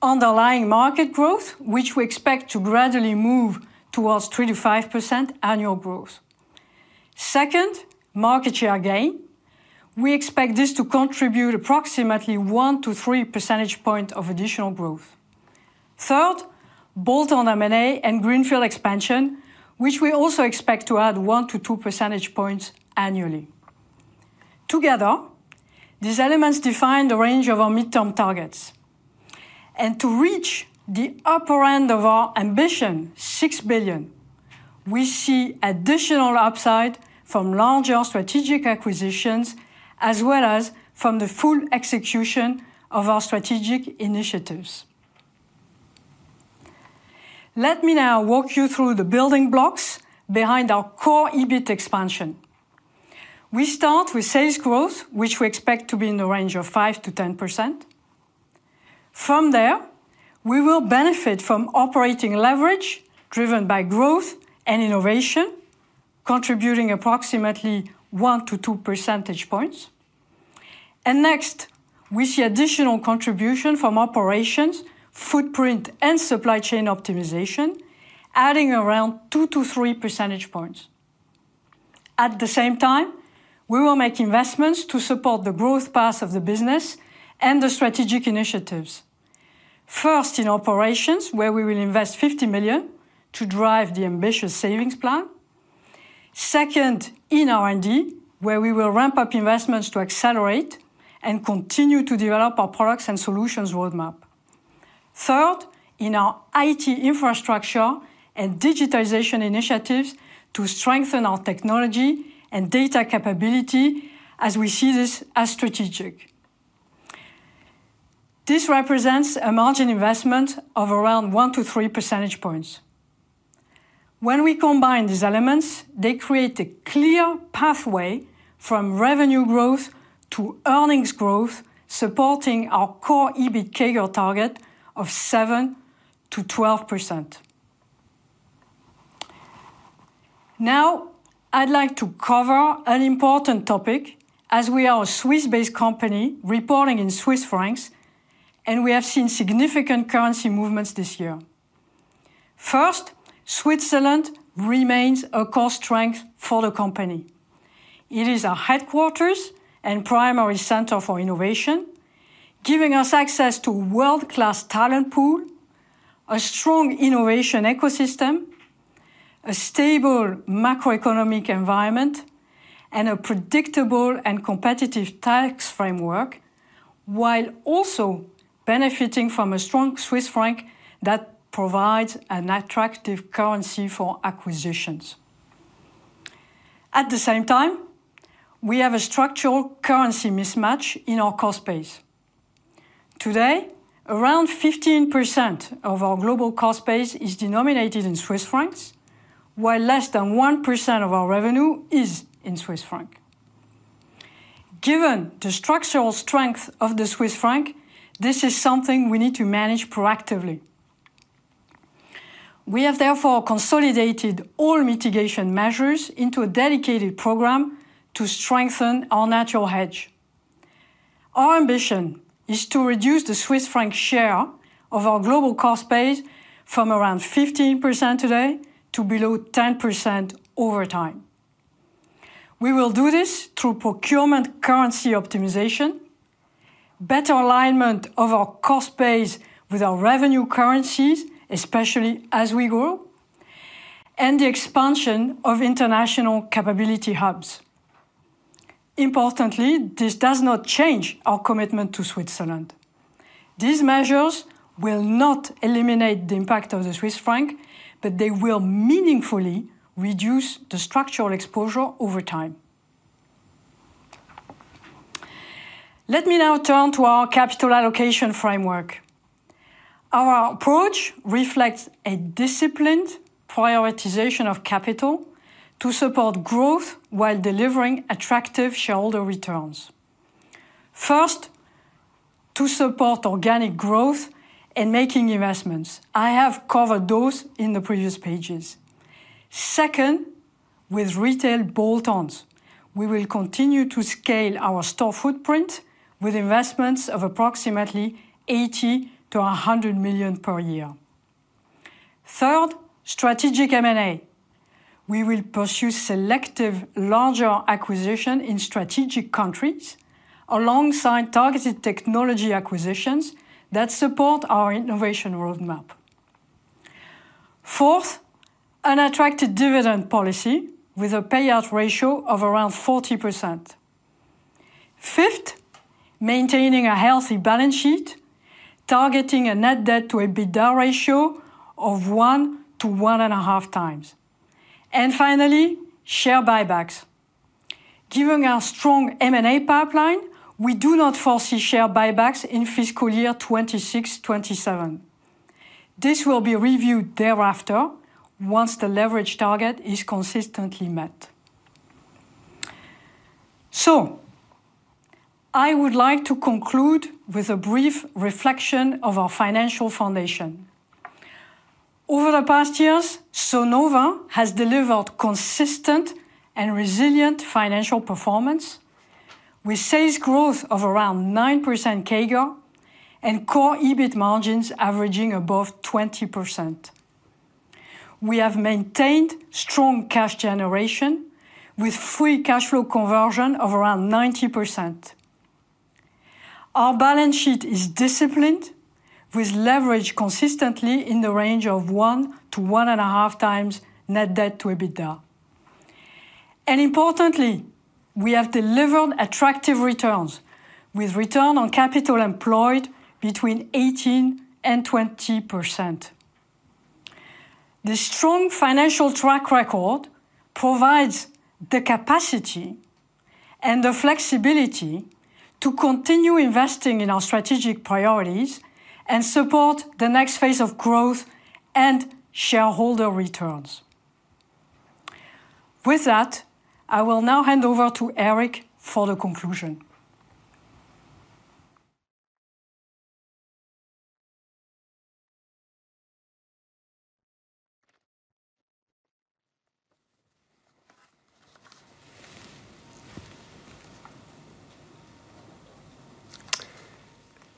underlying market growth, which we expect to gradually move towards 3%-5% annual growth. Second, market share gain. We expect this to contribute approximately one-three percentage point of additional growth. Third, bolt-on M&A and greenfield expansion, which we also expect to add one-two percentage points annually. Together, these elements define the range of our midterm targets. To reach the upper end of our ambition, 6 billion, we see additional upside from larger strategic acquisitions as well as from the full execution of our strategic initiatives. Let me now walk you through the building blocks behind our core EBIT expansion. We start with sales growth, which we expect to be in the range of 5%-10%. From there, we will benefit from operating leverage driven by growth and innovation, contributing approximately one-two percentage points. Next, we see additional contribution from operations, footprint, and supply chain optimization, adding around two-three percentage points. At the same time, we will make investments to support the growth path of the business and the strategic initiatives. First, in operations, where we will invest 50 million to drive the ambitious savings plan. Second, in R&D, where we will ramp up investments to accelerate and continue to develop our products and solutions roadmap. Third, in our IT infrastructure and digitization initiatives to strengthen our technology and data capability as we see this as strategic. This represents a margin investment of around one-three percentage points. When we combine these elements, they create a clear pathway from revenue growth to earnings growth, supporting our core EBIT CAGR target of 7%-12%. Now, I'd like to cover an important topic as we are a Swiss-based company reporting in Swiss francs, and we have seen significant currency movements this year. First, Switzerland remains a core strength for the company. It is our headquarters and primary center for innovation, giving us access to world-class talent pool, a strong innovation ecosystem, a stable macroeconomic environment, and a predictable and competitive tax framework, while also benefiting from a strong Swiss franc that provides an attractive currency for acquisitions. At the same time, we have a structural currency mismatch in our cost base. Today, around 15% of our global cost base is denominated in Swiss francs, while less than 1% of our revenue is in Swiss francs. Given the structural strength of the Swiss franc, this is something we need to manage proactively. We have therefore consolidated all mitigation measures into a dedicated program to strengthen our natural hedge. Our ambition is to reduce the Swiss franc share of our global cost base from around 15% today to below 10% over time. We will do this through procurement currency optimization, better alignment of our cost base with our revenue currencies, especially as we grow, and the expansion of international capability hubs. Importantly, this does not change our commitment to Switzerland. These measures will not eliminate the impact of the Swiss franc, but they will meaningfully reduce the structural exposure over time. Let me now turn to our capital allocation framework. Our approach reflects a disciplined prioritization of capital to support growth while delivering attractive shareholder returns. First, to support organic growth and making investments. I have covered those in the previous pages. Second, with retail bolt-ons, we will continue to scale our store footprint with investments of approximately 80 million-100 million per year. Third, strategic M&A. We will pursue selective larger acquisition in strategic countries alongside targeted technology acquisitions that support our innovation roadmap. Fourth, an attractive dividend policy with a payout ratio of around 40%. Fifth, maintaining a healthy balance sheet, targeting a net debt to EBITDA ratio of 1-1.5 times. Finally, share buybacks. Given our strong M&A pipeline, we do not foresee share buybacks in fiscal year 2026, 2027. This will be reviewed thereafter once the leverage target is consistently met. I would like to conclude with a brief reflection of our financial foundation. Over the past years, Sonova has delivered consistent and resilient financial performance with sales growth of around 9% CAGR and core EBIT margins averaging above 20%. We have maintained strong cash generation with free cash flow conversion of around 90%. Our balance sheet is disciplined, with leverage consistently in the range of 1-1.5 times net debt to EBITDA. Importantly, we have delivered attractive returns with return on capital employed between 18%-20%. The strong financial track record provides the capacity and the flexibility to continue investing in our strategic priorities and support the next phase of growth and shareholder returns. With that, I will now hand over to Eric for the conclusion.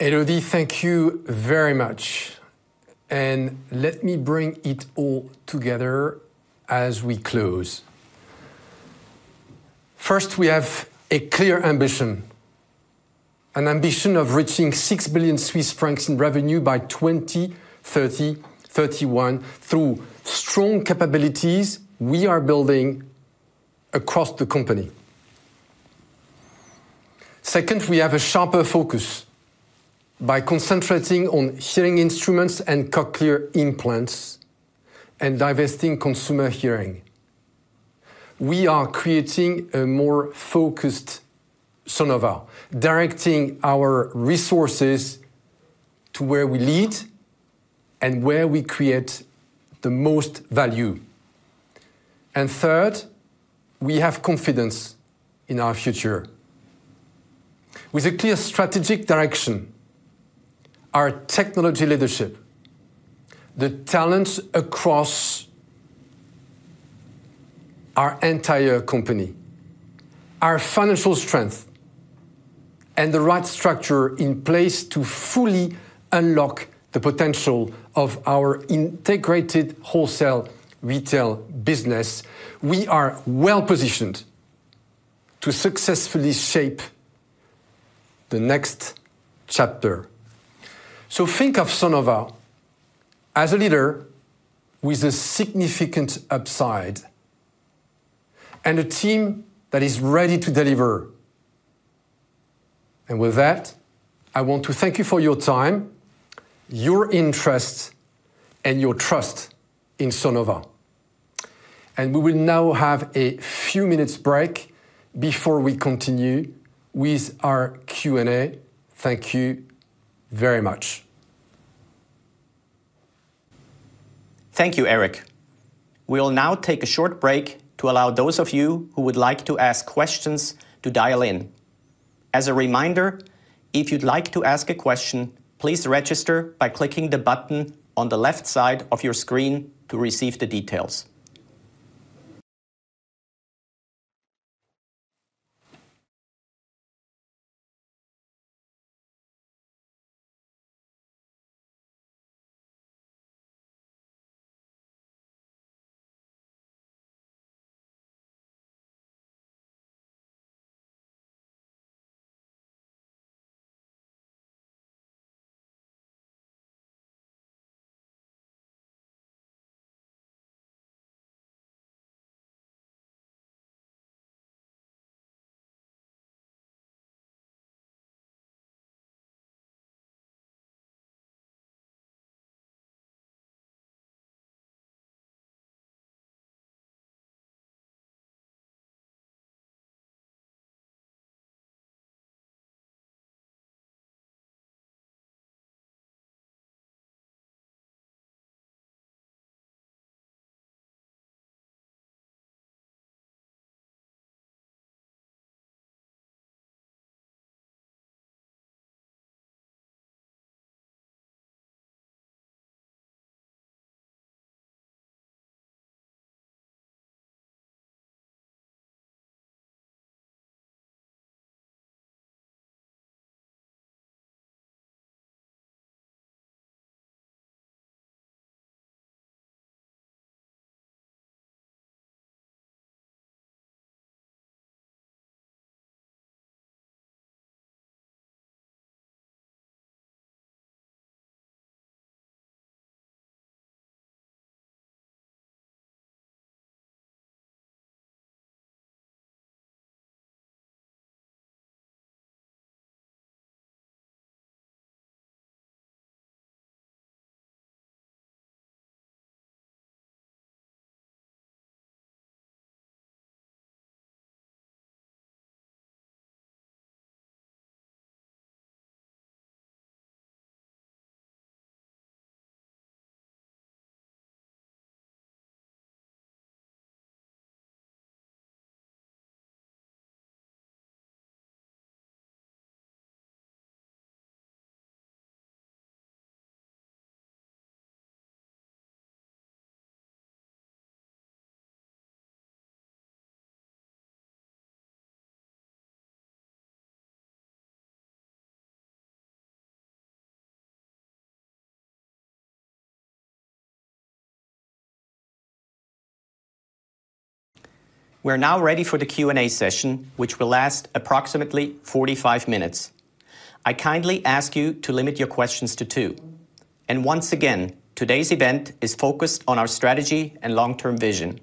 Elodie, thank you very much. Let me bring it all together as we close. First, we have a clear ambition, an ambition of reaching 6 billion Swiss francs in revenue by 2030-31 through strong capabilities we are building across the company. Second, we have a sharper focus by concentrating on hearing instruments and cochlear implants and divesting Consumer Hearing. We are creating a more focused Sonova, directing our resources to where we lead and where we create the most value. Third, we have confidence in our future. With a clear strategic direction, our technology leadership, the talent across our entire company, our financial strength, and the right structure in place to fully unlock the potential of our integrated wholesale retail business, we are well-positioned to successfully shape the next chapter. Think of Sonova as a leader with a significant upside and a team that is ready to deliver. With that, I want to thank you for your time, your interest, and your trust in Sonova. We will now have a few minutes break before we continue with our Q&A. Thank you very much. Thank you, Eric. We'll now take a short break to allow those of you who would like to ask questions to dial in. As a reminder, if you'd like to ask a question, please register by clicking the button on the left side of your screen to receive the details. We're now ready for the Q&A session, which will last approximately 45 minutes. I kindly ask you to limit your questions to two. Once again, today's event is focused on our strategy and long-term vision.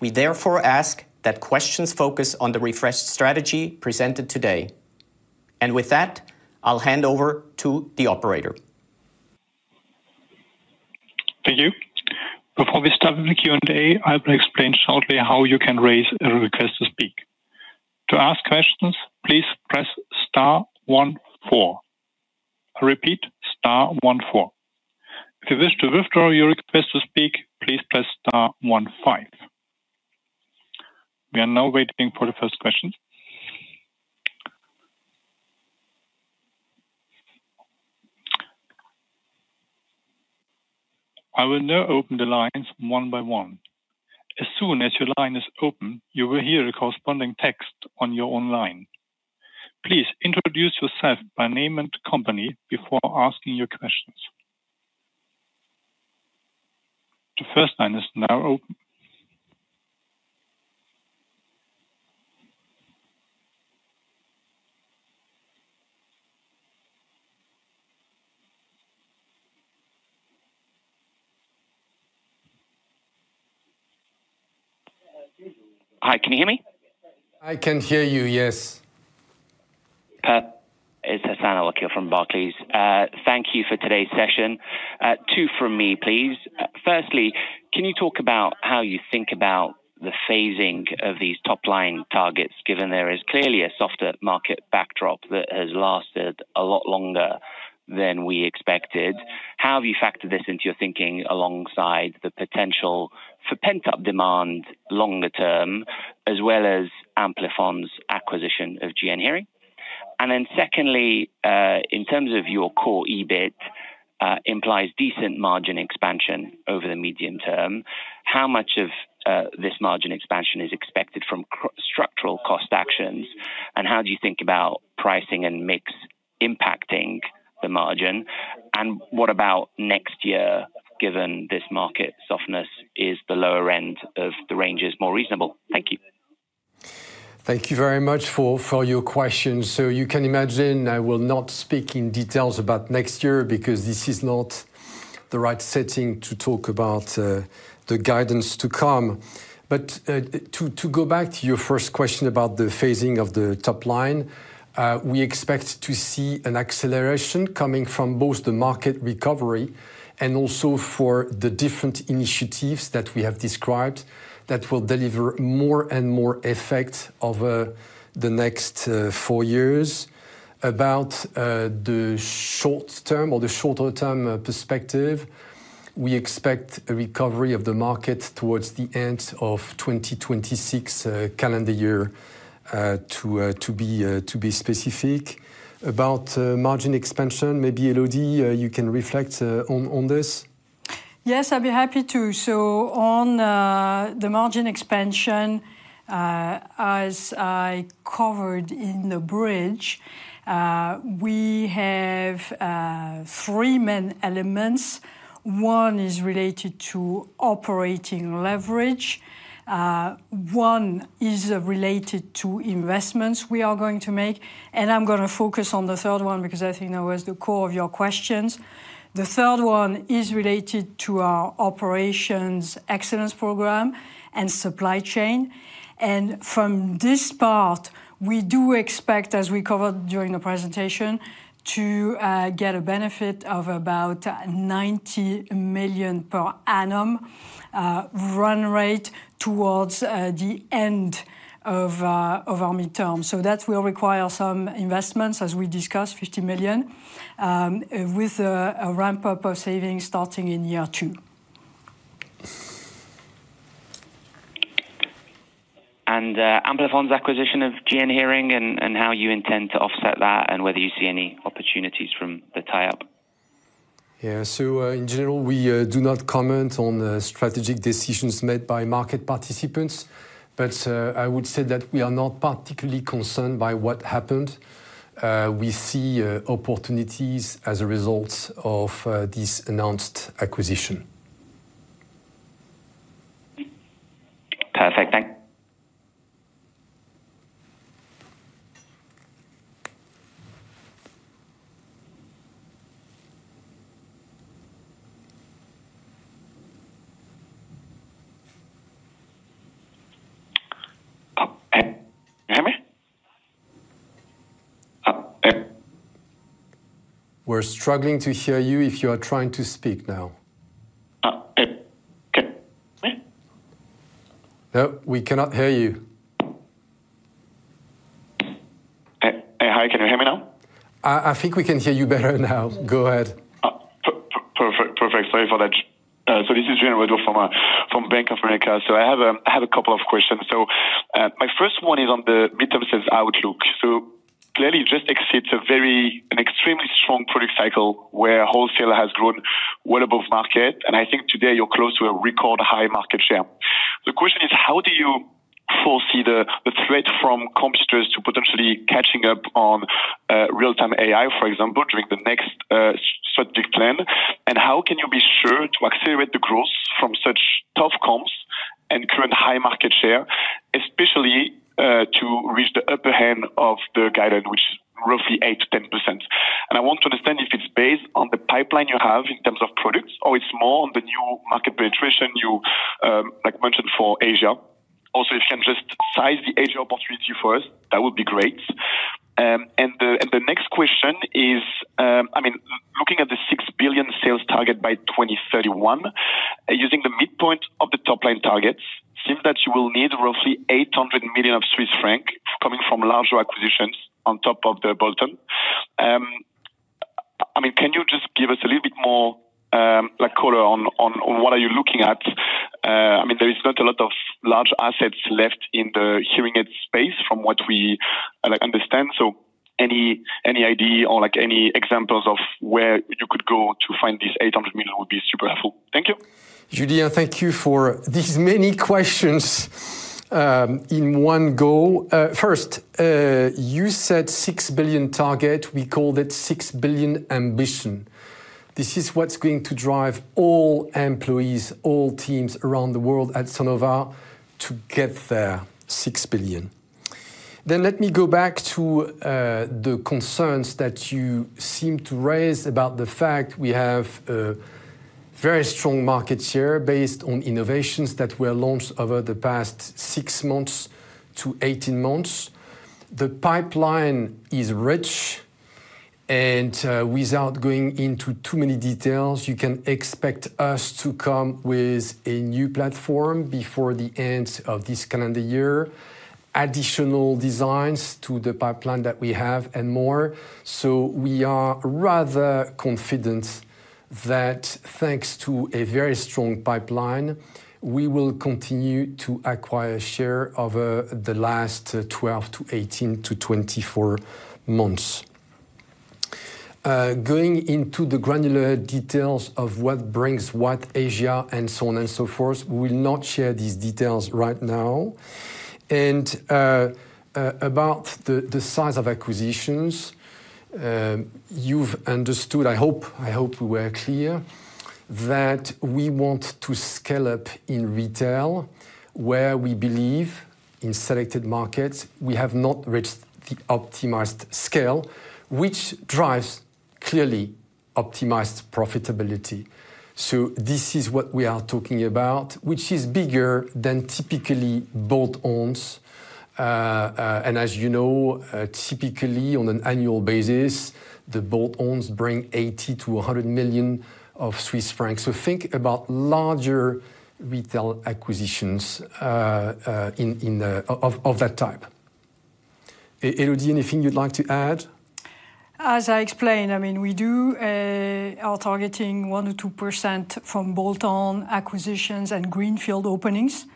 We therefore ask that questions focus on the refreshed strategy presented today. With that, I'll hand over to the operator. Thank you. Before we start with the Q&A, I will explain shortly how you can raise a request to speak. To ask questions, please press star one four. I repeat, star one four. If you wish to withdraw your request to speak, please press star one five. We are now waiting for the first question. I will now open the lines one by one. As soon as your line is open, you will hear a corresponding text on your own line. Please introduce yourself by name and company before asking your questions. The first line is now open. Hi, can you hear me? I can hear you, yes. It's Hassan Al-Wakeel from Barclays. Thank you for today's session. Two from me, please. Firstly, can you talk about how you think about the phasing of these top-line targets, given there is clearly a softer market backdrop that has lasted a lot longer than we expected? How have you factored this into your thinking alongside the potential for pent-up demand longer term, as well as Amplifon's acquisition of GN Hearing? Then secondly, in terms of your core EBIT, implies decent margin expansion over the medium term. How much of this margin expansion is expected from structural cost actions? And how do you think about pricing and mix impacting the margin? And what about next year, given this market softness, is the lower end of the range more reasonable? Thank you. Thank you very much for your question. You can imagine I will not speak in details about next year because this is not the right setting to talk about the guidance to come. To go back to your first question about the phasing of the top line, we expect to see an acceleration coming from both the market recovery and also for the different initiatives that we have described that will deliver more and more effect over the next four years. About the short term or the shorter term perspective, we expect a recovery of the market towards the end of 2026 calendar year to be specific. About margin expansion, maybe Elodie you can reflect on this. Yes, I'd be happy to. On the margin expansion, as I covered in the bridge, we have three main elements. One is related to operating leverage. One is related to investments we are going to make, and I'm gonna focus on the third one because I think that was the core of your questions. The third one is related to our operations excellence program and supply chain. From this part, we do expect, as we covered during the presentation, to get a benefit of about 90 million per annum run rate towards the end of our midterm. That will require some investments, as we discussed, 50 million, with a ramp-up of savings starting in year two. Amplifon's acquisition of GN Hearing and how you intend to offset that, and whether you see any opportunities from the tie-up? Yeah. In general, we do not comment on the strategic decisions made by market participants. I would say that we are not particularly concerned by what happened. We see opportunities as a result of this announced acquisition. Perfect. Thanks. Can you hear me? We're struggling to hear you if you are trying to speak now. No, we cannot hear you. Hi, can you hear me now? I think we can hear you better now. Go ahead. Perfect. Sorry for that. This is Julien Ouaddour from Bank of America. I have a couple of questions. My first one is on the midterm sales outlook. Clearly just exited an extremely strong product cycle where wholesale has grown well above market, and I think today you're close to a record high market share. The question is: how do you foresee the threat from competitors to potentially catching up on real-time AI, for example, during the next strategic plan? And how can you be sure to accelerate the growth from such tough comps and current high market share, especially to reach the upper end of the guidance, which is roughly 8%-10%? I want to understand if it's based on the pipeline you have in terms of products, or it's more on the new market penetration you, like, mentioned for Asia. Also, if you can just size the Asia opportunity for us, that would be great. The next question is, I mean, looking at the 6 billion sales target by 2031, using the midpoint of the top-line targets seems that you will need roughly 800 million coming from larger acquisitions on top of the bolt-on. I mean, can you just give us a little bit more, like, color on what are you looking at? I mean, there is not a lot of large assets left in the hearing aid space from what we, like, understand. Any idea or, like, any examples of where you could go to find this 800 million would be super helpful. Thank you. Julien, thank you for these many questions in one go. First, you said 6 billion target. We called it 6 billion ambition. This is what's going to drive all employees, all teams around the world at Sonova to get there, 6 billion. Let me go back to the concerns that you seem to raise about the fact we have a very strong market share based on innovations that were launched over the past 6-18 months. The pipeline is rich, and without going into too many details, you can expect us to come with a new platform before the end of this calendar year, additional designs to the pipeline that we have and more. We are rather confident that thanks to a very strong pipeline, we will continue to acquire share over the last 12 to 18 to 24 months. Going into the granular details of what brings what Asia and so on and so forth, we will not share these details right now. About the size of acquisitions, you've understood, I hope we were clear that we want to scale up in retail where we believe in selected markets, we have not reached the optimized scale, which drives clearly optimized profitability. This is what we are talking about, which is bigger than typically bolt-ons. As you know, typically on an annual basis, the bolt-ons bring 80 million-100 million. Think about larger retail acquisitions in the order of that type. Elodie, anything you'd like to add? As I explained, I mean, we are targeting 1%-2% from bolt-on acquisitions and greenfield openings.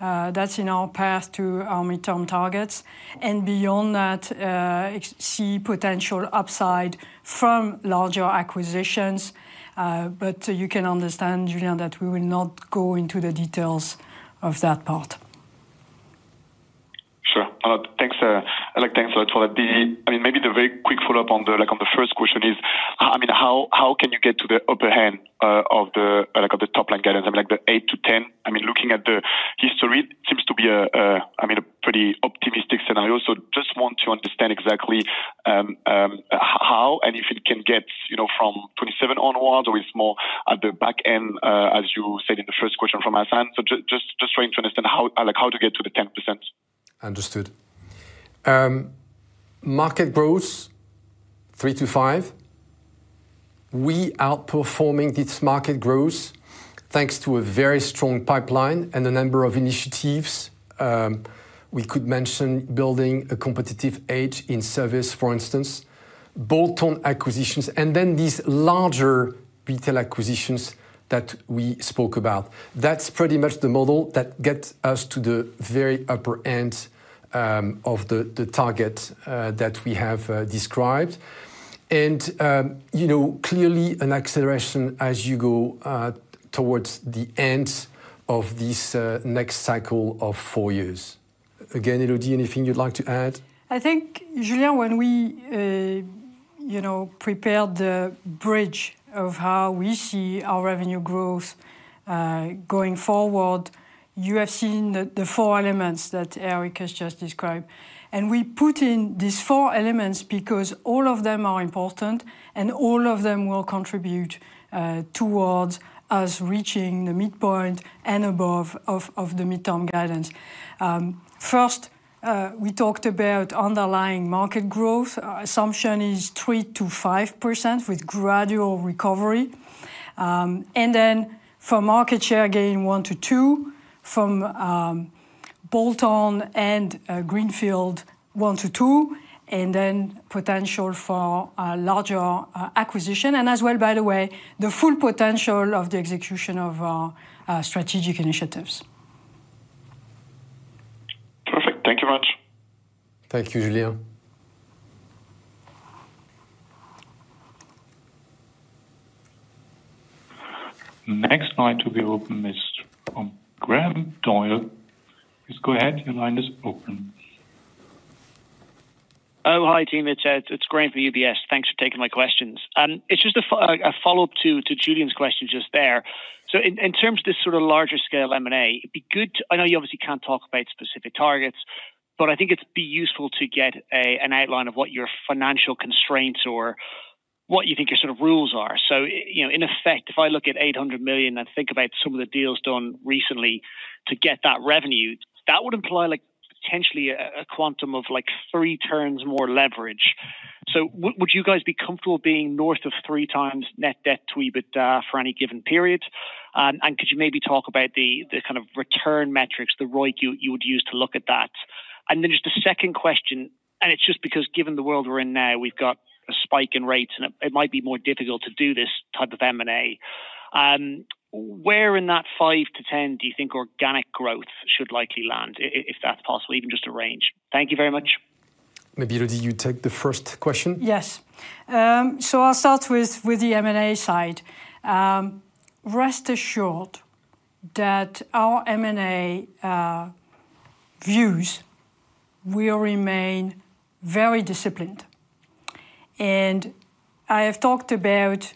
That's in our path to our midterm targets. Beyond that, see potential upside from larger acquisitions. You can understand, Julien, that we will not go into the details of that part. Sure. Thanks, Eric, thanks a lot for that. I mean, maybe the very quick follow-up on the, like, on the first question is, I mean, how can you get to the upper end of the, like, of the top line guidance, I mean, like the 8%-10%? I mean, looking at the history, it seems to be a pretty optimistic scenario. Just want to understand exactly, how, and if it can get, you know, from 27 onwards, or it's more at the back end, as you said in the first question from Hassan. Just trying to understand how, like how to get to the 10%. Understood. Market growth 3%-5%. We're outperforming this market growth thanks to a very strong pipeline and a number of initiatives. We could mention building a competitive edge in service, for instance, bolt-on acquisitions, and then these larger retail acquisitions that we spoke about. That's pretty much the model that gets us to the very upper end of the target that we have described. You know, clearly an acceleration as you go towards the end of this next cycle of four years. Again, Elodie, anything you'd like to add? I think, Julien, when we prepared the bridge of how we see our revenue growth going forward, you have seen the four elements that Eric has just described. We put in these four elements because all of them are important and all of them will contribute towards us reaching the midpoint and above of the midterm guidance. First, we talked about underlying market growth. Our assumption is 3%-5% with gradual recovery. Then for market share gain, 1%-2%. From bolt-on and greenfield, 1%-2%, and then potential for a larger acquisition. As well, by the way, the full potential of the execution of our strategic initiatives. Perfect. Thank you much. Thank you, Julien. Next line to be open is from Graham Doyle. Please go ahead, your line is open. Oh, hi, team. It's Graham from UBS. Thanks for taking my questions. It's just a follow-up to Julien's question just there. In terms of this sort of larger scale M&A, it'd be good to. I know you obviously can't talk about specific targets, but I think it'd be useful to get an outline of what your financial constraints or what you think your sort of rules are. You know, in effect, if I look at 800 million and think about some of the deals done recently to get that revenue, that would imply like potentially a quantum of like three times more leverage. Would you guys be comfortable being north of three times net debt to EBITDA for any given period? Could you maybe talk about the kind of return metrics, the ROIC you would use to look at that? Then just a second question, it's just because given the world we're in now, we've got a spike in rates, and it might be more difficult to do this type of M&A. Where in that 5%-10% do you think organic growth should likely land, if that's possible, even just a range? Thank you very much. Maybe, Elodie, you take the first question. Yes. So I'll start with the M&A side. Rest assured that our M&A views will remain very disciplined. I have talked about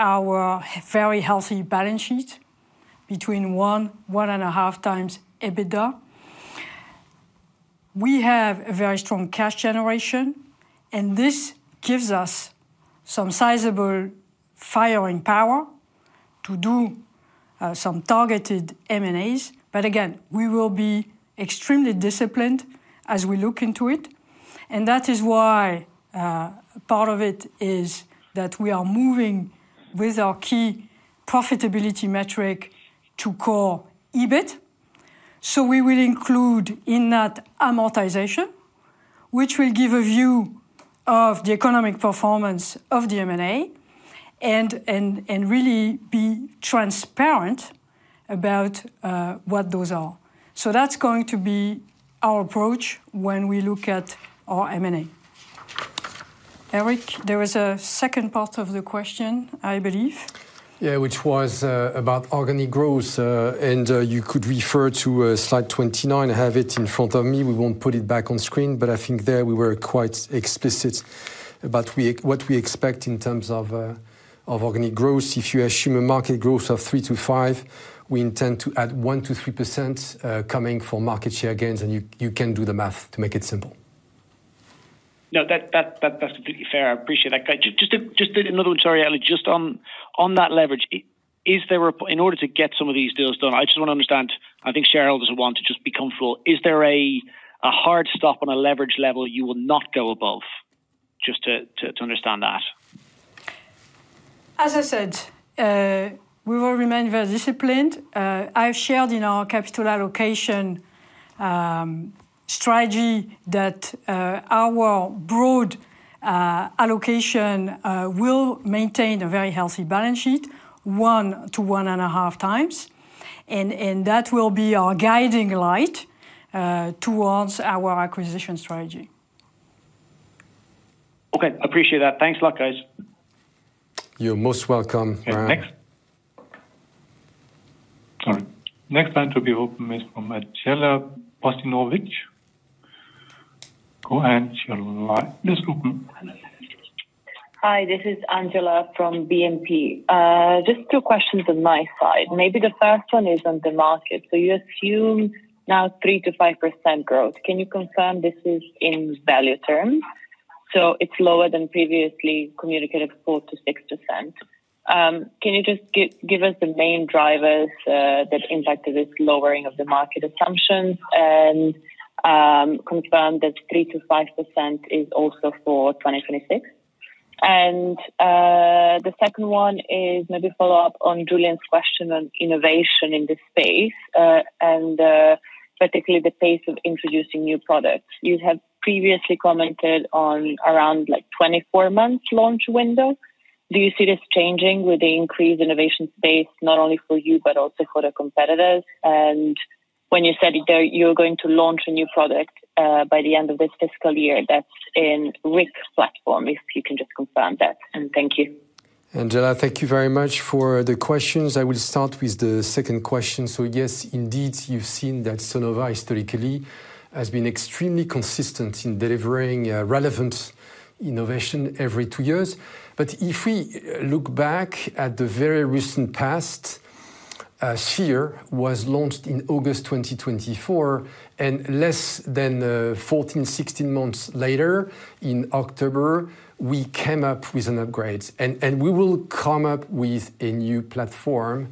our very healthy balance sheet between one and 1.5 times EBITDA. We have a very strong cash generation, and this gives us some sizable firepower to do some targeted M&As. Again, we will be extremely disciplined as we look into it. That is why part of it is that we are moving with our key profitability metric to core EBIT. We will include in that amortization, which will give a view of the economic performance of the M&A and really be transparent about what those are. That's going to be our approach when we look at our M&A. Eric, there was a second part of the question, I believe. Yeah, which was about organic growth. You could refer to slide 29. I have it in front of me. We won't put it back on screen, but I think there we were quite explicit about what we expect in terms of organic growth. If you assume a market growth of 3%-5%, we intend to add 1%-3%, coming from market share gains, and you can do the math to make it simple. No, that's completely fair. I appreciate that. Can I just another one. Sorry, Elodie, just on that leverage. In order to get some of these deals done, I just wanna understand. I think shareholders want to just be comfortable. Is there a hard stop on a leverage level you will not go above? Just to understand that. As I said, we will remain very disciplined. I've shared in our capital allocation strategy that our broad allocation will maintain a very healthy balance sheet 1-1.5 times. That will be our guiding light towards our acquisition strategy. Okay. Appreciate that. Thanks a lot, guys. You're most welcome, Graham Doyle. Next. Sorry. Next line to be open is from Angela Stoyanovitch. Go ahead, Angela. Your line is open. Hi, this is Angela from BNP. Just two questions on my side. Maybe the first one is on the market. You assume now 3%-5% growth. Can you confirm this is in value terms? It's lower than previously communicated 4%-6%. Can you just give us the main drivers that impacted this lowering of the market assumptions and confirm that 3%-5% is also for 2026. The second one is maybe follow up on Julien's question on innovation in this space, and particularly the pace of introducing new products. You have previously commented on around like 24 months launch window. Do you see this changing with the increased innovation pace not only for you but also for the competitors? When you said that you're going to launch a new product by the end of this fiscal year, that's Infinio platform. If you can just confirm that. Thank you. Angela, thank you very much for the questions. I will start with the second question. Yes, indeed, you've seen that Sonova historically has been extremely consistent in delivering relevant innovation every two years. If we look back at the very recent past, Sphere was launched in August 2024, and less than 14-16 months later, in October, we came up with an upgrade. We will come up with a new platform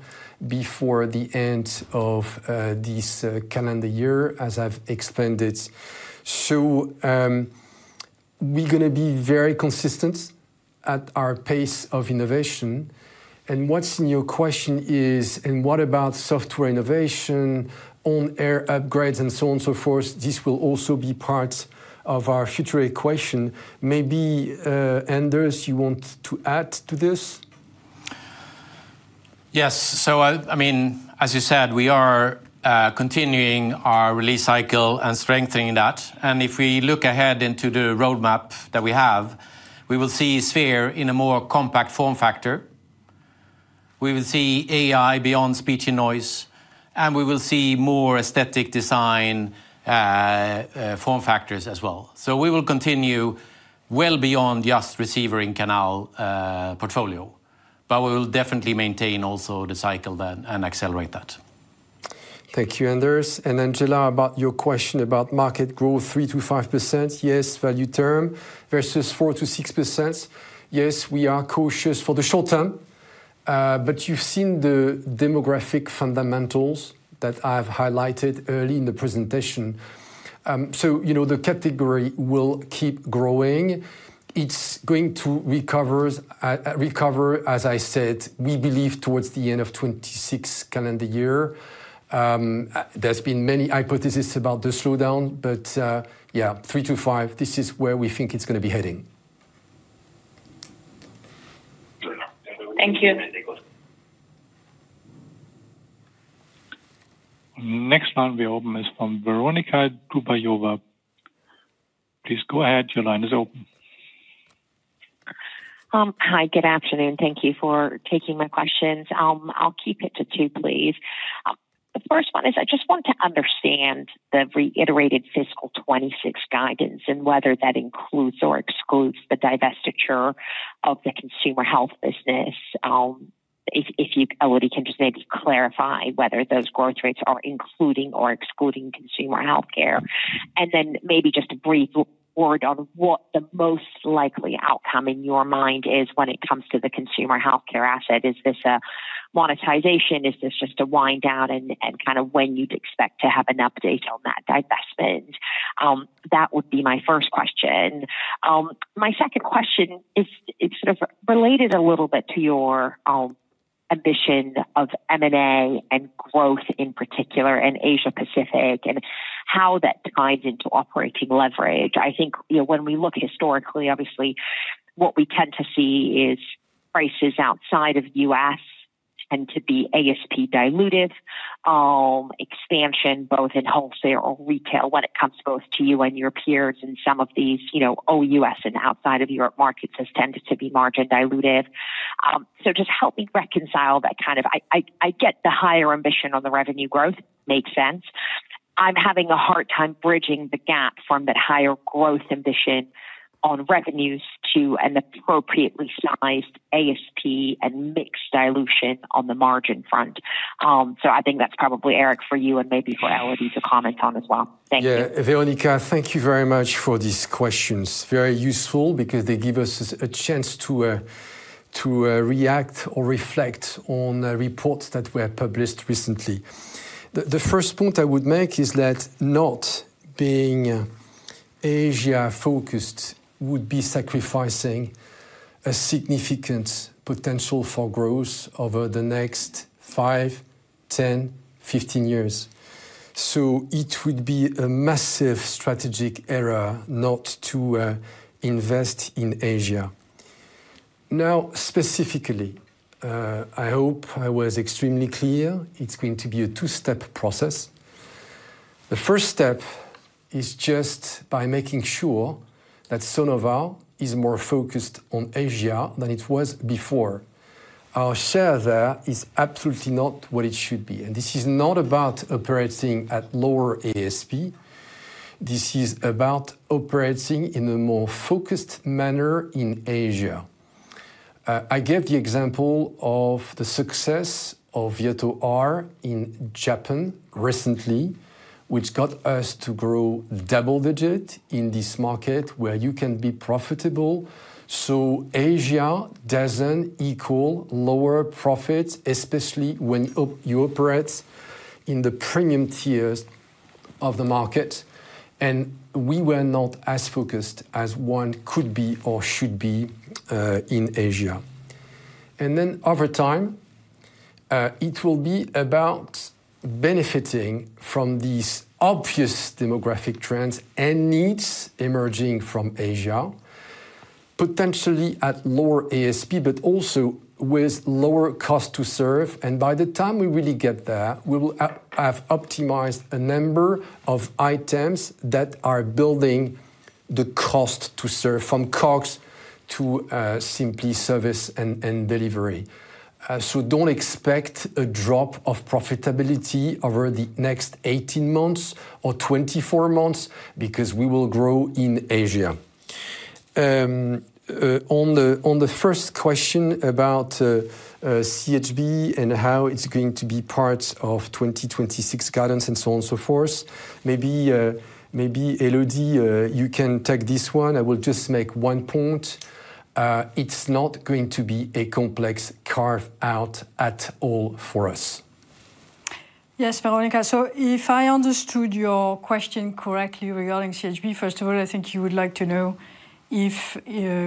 before the end of this calendar year, as I've explained it. We're gonna be very consistent at our pace of innovation. What's in your question is, what about software innovation, over-the-air upgrades, and so on and so forth. This will also be part of our future equation. Maybe Anders, you want to add to this? Yes. I mean, as you said, we are continuing our release cycle and strengthening that. If we look ahead into the roadmap that we have, we will see Sphere in a more compact form factor. We will see AI beyond speech and noise, and we will see more aesthetic design form factors as well. We will continue well beyond just receiver and canal portfolio. We will definitely maintain also the cycle then and accelerate that. Thank you, Anders. Angela, about your question about market growth, 3%-5%, yes, value term versus 4%-6%. Yes, we are cautious for the short term. You've seen the demographic fundamentals that I've highlighted early in the presentation. You know, the category will keep growing. It's going to recover, as I said, we believe towards the end of 2026 calendar year. There's been many hypothesis about the slowdown, but yeah, 3%-5%, this is where we think it's gonna be heading. Thank you. Next line we open is from Veronika Dubajova. Please go ahead. Your line is open. Hi, good afternoon. Thank you for taking my questions. I'll keep it to two, please. The first one is, I just want to understand the reiterated FY 2026 guidance and whether that includes or excludes the divestiture of the consumer health business. If you already can just maybe clarify whether those growth rates are including or excluding consumer healthcare. Maybe just a brief word on what the most likely outcome in your mind is when it comes to the consumer healthcare asset. Is this a monetization? Is this just a wind down? Kind of when you'd expect to have an update on that divestment? That would be my first question. My second question is sort of related a little bit to your ambition of M&A and growth in particular in Asia Pacific and how that ties into operating leverage. I think, you know, when we look historically, obviously, what we tend to see is prices outside of U.S. tend to be ASP dilutive, expansion both in wholesale or retail when it comes both to you and your peers in some of these, you know, OUS and outside of Europe markets has tended to be margin dilutive. Just help me reconcile that kind of. I get the higher ambition on the revenue growth. Makes sense. I'm having a hard time bridging the gap from that higher growth ambition on revenues to an appropriately sized ASP and mix dilution on the margin front. I think that's probably Eric for you and maybe for Elodie to comment on as well. Thank you. Yeah. Veronika, thank you very much for these questions. Very useful because they give us a chance to react or reflect on the reports that were published recently. The first point I would make is that not being Asia-focused would be sacrificing a significant potential for growth over the next five, 10, 15 years. It would be a massive strategic error not to invest in Asia. Now, specifically, I hope I was extremely clear, it's going to be a two-step process. The first step is just by making sure that Sonova is more focused on Asia than it was before. Our share there is absolutely not what it should be. This is not about operating at lower ASP, this is about operating in a more focused manner in Asia. I gave the example of the success of Virto R in Japan recently, which got us to grow double-digit in this market where you can be profitable. Asia doesn't equal lower profits, especially when you operate in the premium tiers of the market, and we were not as focused as one could be or should be in Asia. Over time, it will be about benefiting from these obvious demographic trends and needs emerging from Asia, potentially at lower ASP, but also with lower cost to serve. By the time we really get there, we will have optimized a number of items that are building the cost to serve, from COGS to simply service and delivery. Don't expect a drop of profitability over the next 18 months or 24 months because we will grow in Asia. On the first question about CHB and how it's going to be part of 2026 guidance and so on and so forth, maybe Elodie, you can take this one. I will just make one point. It's not going to be a complex carve-out at all for us. Yes, Veronika. If I understood your question correctly regarding CHB, first of all, I think you would like to know if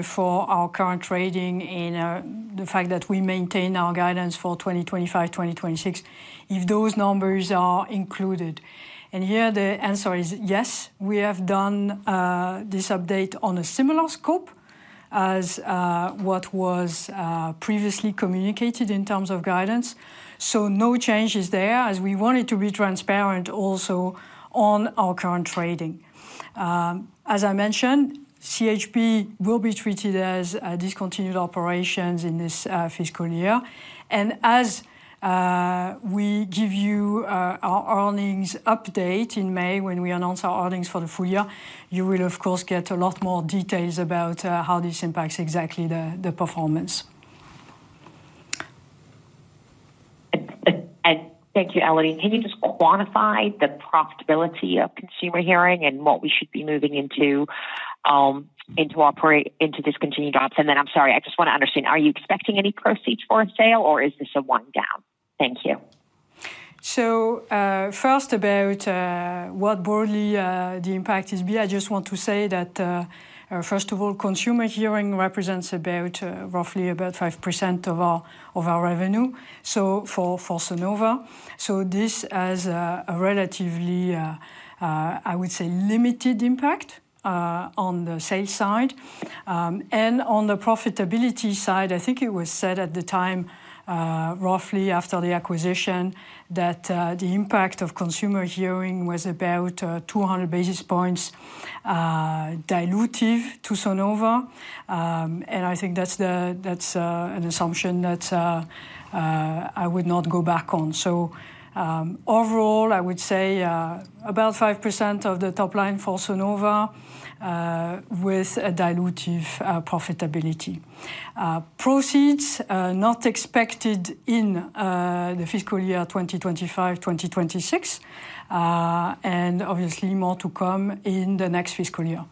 for our current trading and the fact that we maintain our guidance for 2025, 2026, if those numbers are included. Here the answer is yes, we have done this update on a similar scope as what was previously communicated in terms of guidance. No changes there as we wanted to be transparent also on our current trading. As I mentioned, CHB will be treated as discontinued operations in this fiscal year. As we give you our earnings update in May, when we announce our earnings for the full year, you will of course get a lot more details about how this impacts exactly the performance. Thank you, Elodie. Can you just quantify the profitability of Consumer Hearing and what we should be moving into discontinued ops? I'm sorry, I just wanna understand, are you expecting any proceeds for a sale or is this a one down? Thank you. I just want to say that, first of all, Consumer Hearing represents roughly 5% of our revenue for Sonova. This has a relatively, I would say, limited impact on the sales side. On the profitability side, I think it was said at the time, roughly after the acquisition that the impact of Consumer Hearing was about 200 basis points dilutive to Sonova. I think that's an assumption that I would not go back on. Overall, I would say, about 5% of the top line for Sonova with a dilutive profitability. Proceeds not expected in the fiscal year 2025, 2026, and obviously more to come in the next fiscal year.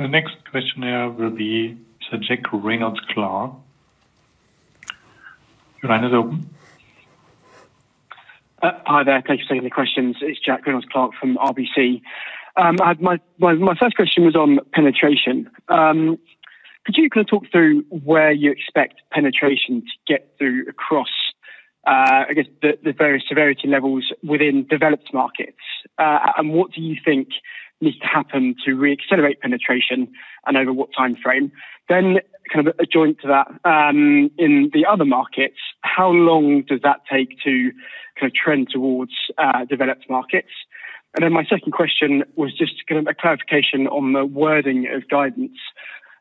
The next question now will be Jack Reynolds-Clark. Line is open. Hi there. Thank you for taking the questions. It's Jack Reynolds-Clark from RBC. My first question was on penetration. Could you kind of talk through where you expect penetration to get to across, I guess the various severity levels within developed markets? And what do you think needs to happen to reaccelerate penetration, and over what timeframe? Kind of joined to that, in the other markets, how long does that take to kind of trend towards developed markets? My second question was just kind of a clarification on the wording of guidance.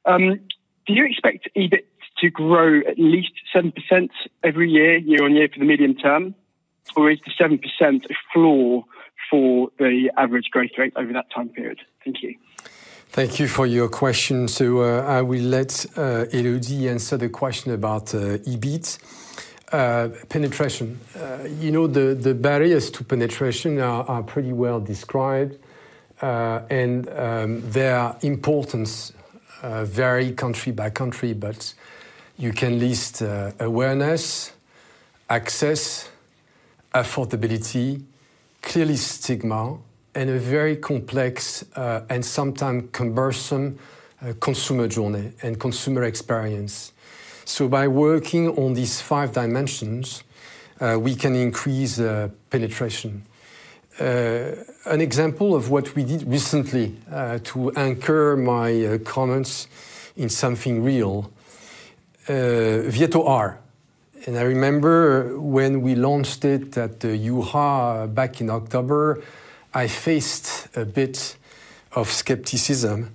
Do you expect EBIT to grow at least 7% every year-on-year for the medium term, or is the 7% a floor for the average growth rate over that time period? Thank you. Thank you for your question. I will let Elodie answer the question about EBIT. Penetration. You know, the barriers to penetration are pretty well described, and their importance vary country by country, but you can list awareness, access, affordability, clearly stigma, and a very complex and sometime cumbersome consumer journey and consumer experience. By working on these five dimensions, we can increase penetration. An example of what we did recently to anchor my comments in something real, Virto R. I remember when we launched it at the EUHA back in October, I faced a bit of skepticism.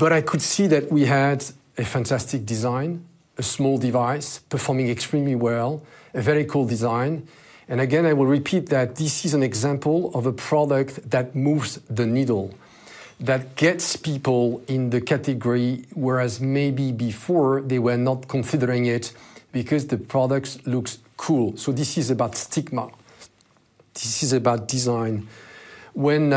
I could see that we had a fantastic design, a small device performing extremely well, a very cool design. Again, I will repeat that this is an example of a product that moves the needle, that gets people in the category, whereas maybe before they were not considering it because the product looks cool. This is about stigma. This is about design. When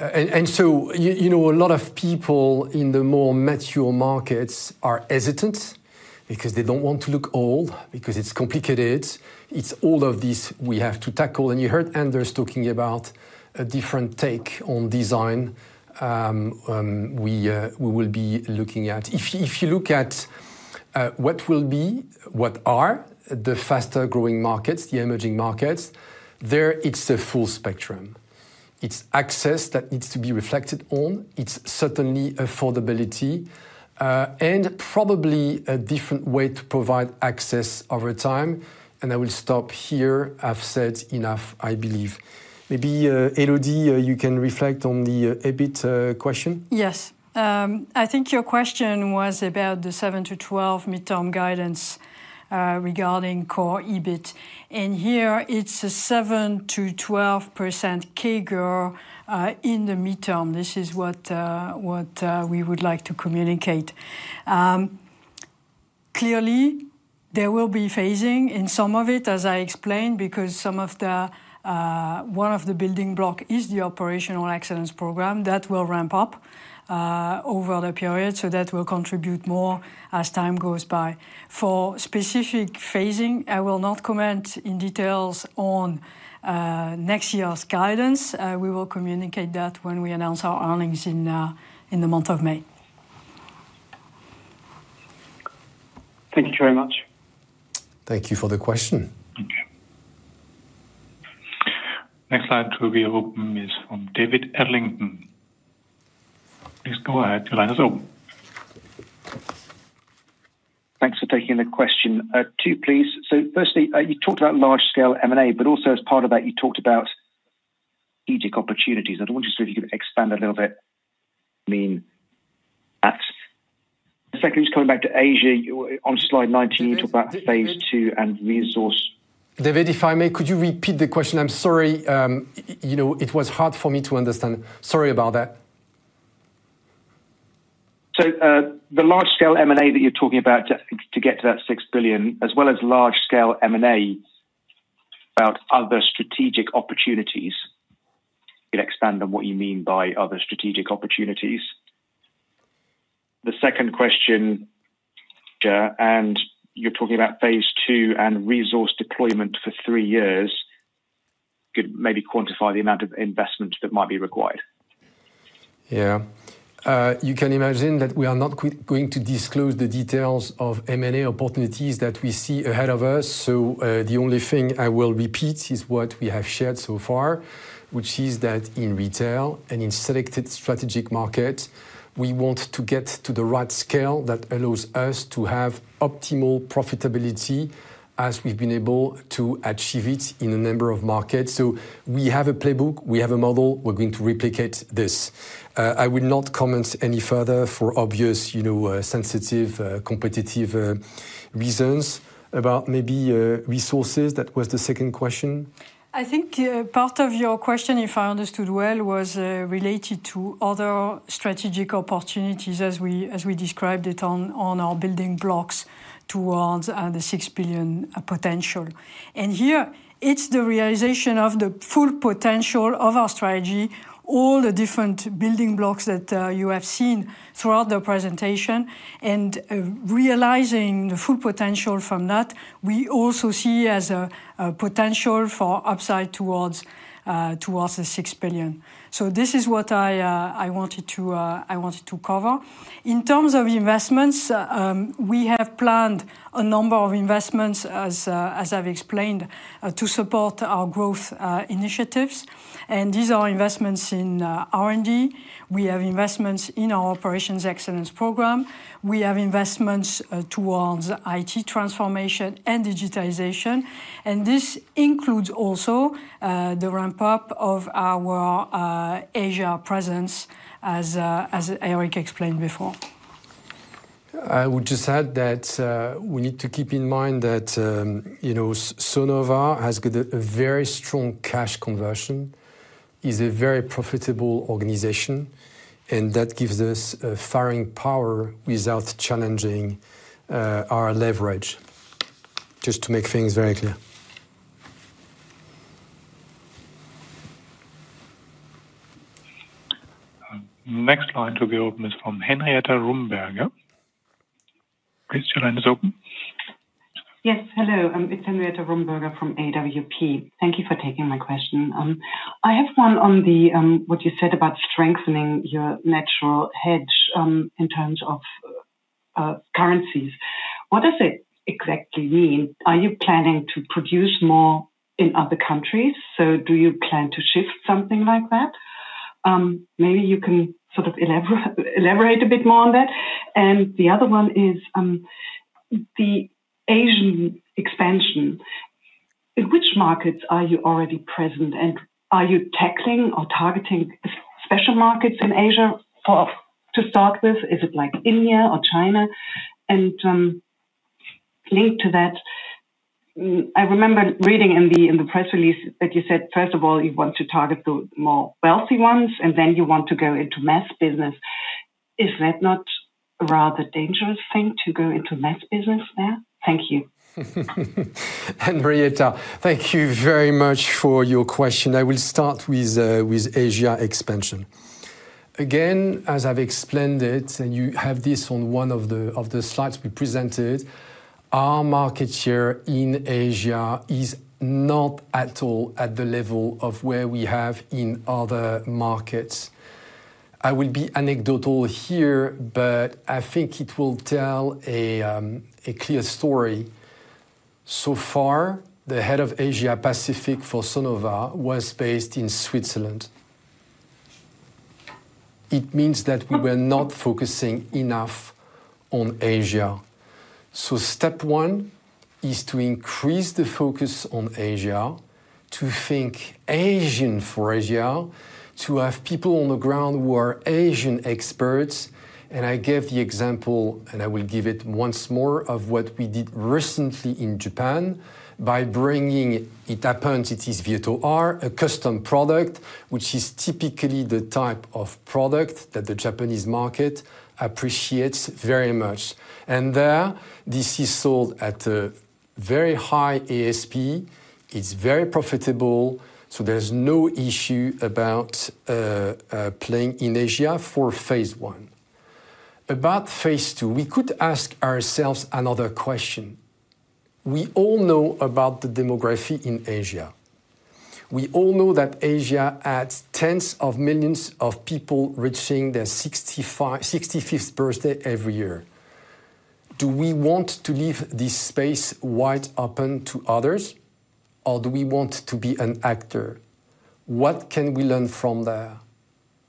and so, you know, a lot of people in the more mature markets are hesitant because they don't want to look old, because it's complicated. It's all of this we have to tackle. You heard Anders talking about a different take on design we will be looking at. If you look at what will be, what are the faster-growing markets, the emerging markets, there it's a full spectrum. It's access that needs to be reflected on. It's certainly affordability, and probably a different way to provide access over time. I will stop here. I've said enough, I believe. Maybe, Elodie, you can reflect on the EBIT question. Yes. I think your question was about the 7-12 midterm guidance regarding core EBIT. Here it's a 7-12% CAGR in the midterm. This is what we would like to communicate. Clearly, there will be phasing in some of it, as I explained, because one of the building block is the operational excellence program that will ramp up over the period, so that will contribute more as time goes by. For specific phasing, I will not comment in details on next year's guidance. We will communicate that when we announce our earnings in the month of May. Thank you very much. Thank you for the question. Okay. Next line to be open is from David Adlington. Please go ahead, your line is open. Thanks for taking the question. Two, please. Firstly, you talked about large scale M&A, but also as part of that, you talked about strategic opportunities. I wonder if you could expand a little bit what you mean. That's secondly, just coming back to Asia, you on slide 19, you talk about phase two and resource. David, if I may, could you repeat the question? I'm sorry, you know, it was hard for me to understand. Sorry about that. The large-scale M&A that you're talking about to get to that 6 billion, as well as large-scale M&A about other strategic opportunities. Could you expand on what you mean by other strategic opportunities? The second question, and you're talking about phase two and resource deployment for 3 years. Could maybe quantify the amount of investment that might be required. Yeah. You can imagine that we are not going to disclose the details of M&A opportunities that we see ahead of us. The only thing I will repeat is what we have shared so far, which is that in retail and in selected strategic markets, we want to get to the right scale that allows us to have optimal profitability as we've been able to achieve it in a number of markets. We have a playbook, we have a model, we're going to replicate this. I will not comment any further for obvious, you know, sensitive, competitive reasons about maybe resources. That was the second question. I think, part of your question, if I understood well, was related to other strategic opportunities as we described it on our building blocks towards the 6 billion potential. Here, it's the realization of the full potential of our strategy, all the different building blocks that you have seen throughout the presentation, and realizing the full potential from that, we also see as a potential for upside towards the 6 billion. This is what I wanted to cover. In terms of investments, we have planned a number of investments, as I've explained, to support our growth initiatives. These are investments in R&D. We have investments in our Operations Excellence Program. We have investments towards IT transformation and digitization. This includes also the ramp-up of our Asia presence as Eric explained before. I would just add that, we need to keep in mind that, you know, Sonova has got a very strong cash conversion, is a very profitable organization, and that gives us firepower without challenging our leverage. Just to make things very clear. Next line to be open is from Henrietta Rumberger. Please, your line is open. Yes. Hello. It's Henrietta Rumberger from AWP. Thank you for taking my question. I have one on what you said about strengthening your natural hedge in terms of currencies. What does it exactly mean? Are you planning to produce more in other countries? Do you plan to shift something like that? Maybe you can sort of elaborate a bit more on that. The other one is the Asian expansion. In which markets are you already present, and are you tackling or targeting special markets in Asia? To start with, is it like India or China? Linked to that, I remember reading in the press release that you said, first of all, you want to target the more wealthy ones and then you want to go into mass business. Is that not a rather dangerous thing to go into mass business there? Thank you. Henrietta, thank you very much for your question. I will start with Asia expansion. Again, as I've explained it, and you have this on one of the slides we presented, our market share in Asia is not at all at the level of where we have in other markets. I will be anecdotal here, but I think it will tell a clear story. The head of Asia Pacific for Sonova was based in Switzerland. It means that we were not focusing enough on Asia. Step one is to increase the focus on Asia, to think Asian for Asia, to have people on the ground who are Asian experts. I gave the example, and I will give it once more, of what we did recently in Japan by bringing, it happens it is Virto R, a custom product, which is typically the type of product that the Japanese market appreciates very much. There, this is sold at a very high ASP. It's very profitable, so there's no issue about playing in Asia for phase one. About phase two, we could ask ourselves another question. We all know about the demography in Asia. We all know that Asia adds tens of millions of people reaching their sixty-fifth birthday every year. Do we want to leave this space wide open to others, or do we want to be an actor? What can we learn from there?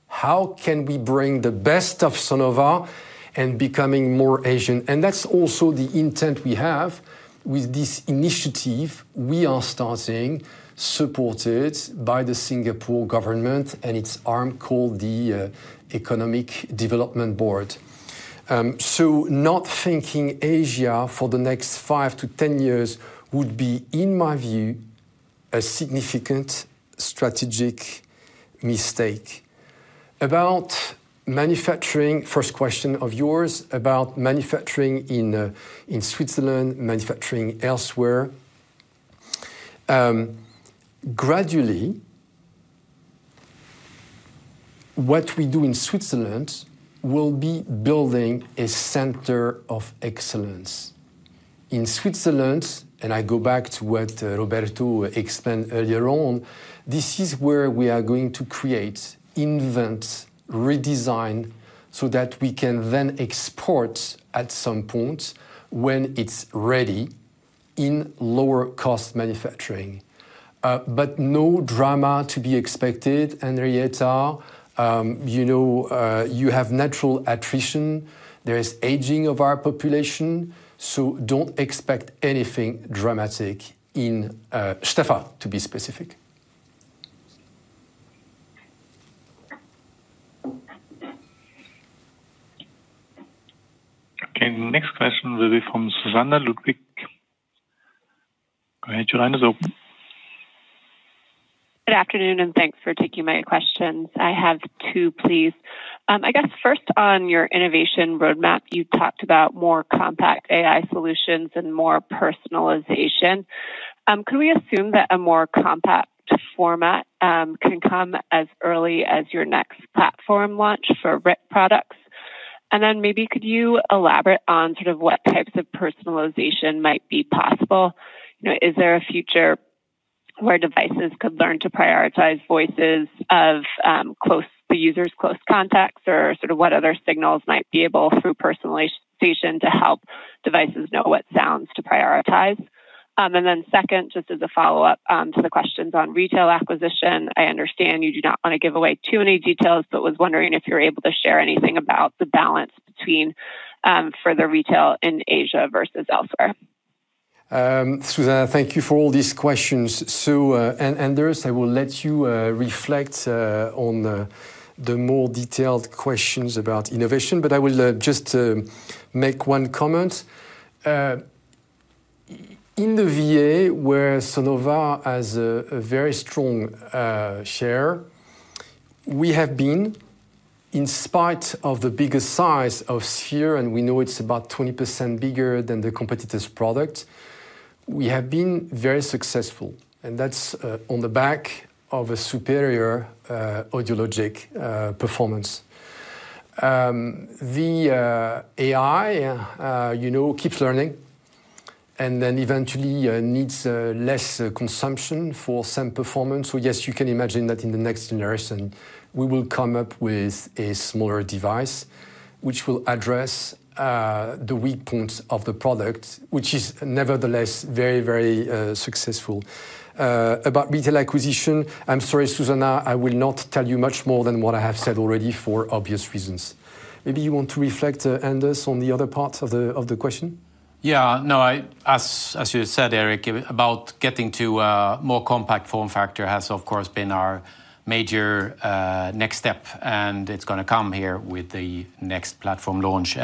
How can we bring the best of Sonova and becoming more Asian? That's also the intent we have with this initiative we are starting, supported by the Singapore government and its arm called the Economic Development Board. Not thinking Asia for the next five to 10 years would be, in my view, a significant strategic mistake. About manufacturing, first question of yours, about manufacturing in Switzerland, manufacturing elsewhere. Gradually, what we do in Switzerland will be building a center of excellence. In Switzerland, and I go back to what Roberto explained earlier on, this is where we are going to create, invent, redesign, so that we can then export at some point when it's ready in lower cost manufacturing. No drama to be expected, Henrietta. You know, you have natural attrition. There is aging of our population, so don't expect anything dramatic in Stäfa, to be specific. Okay. Next question will be from Susannah Ludwig. Go ahead, your line is open. Good afternoon, and thanks for taking my questions. I have two, please. I guess first on your innovation roadmap, you talked about more compact AI solutions and more personalization. Can we assume that a more compact format can come as early as your next platform launch for RIC products? Maybe could you elaborate on sort of what types of personalization might be possible? You know, is there a future where devices could learn to prioritize voices of the user's close contacts or sort of what other signals might be able through personalization to help devices know what sounds to prioritize? Second, just as a follow-up to the questions on retail acquisition, I understand you do not wanna give away too many details, but was wondering if you're able to share anything about the balance between further retail in Asia versus elsewhere? Susanna, thank you for all these questions. Anders, I will let you reflect on the more detailed questions about innovation, but I will just make one comment. In the VA, where Sonova has a very strong share, we have been, in spite of the bigger size of Sphere, and we know it's about 20% bigger than the competitor's product, we have been very successful, and that's on the back of a superior audiological performance. The AI, you know, keeps learning and then eventually needs less consumption for same performance. Yes, you can imagine that in the next generation, we will come up with a smaller device which will address the weak points of the product, which is nevertheless very successful. About retail acquisition, I'm sorry, Susannah, I will not tell you much more than what I have said already for obvious reasons. Maybe you want to reflect, Anders, on the other parts of the question. As you said, Eric, about getting to a more compact form factor has, of course, been our major next step, and it's gonna come here with the next platform launch.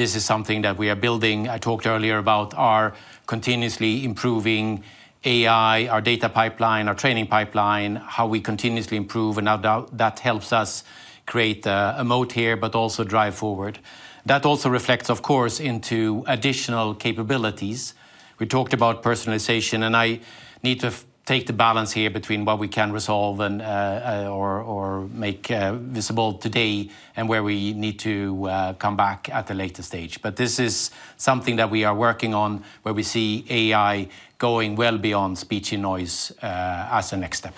This is something that we are building. I talked earlier about our continuously improving AI, our data pipeline, our training pipeline, how we continuously improve, and now that helps us create a moat here, but also drive forward. That also reflects, of course, into additional capabilities. We talked about personalization, and I need to take the balance here between what we can resolve and or make visible today and where we need to come back at a later stage. This is something that we are working on, where we see AI going well beyond speech and noise as a next step.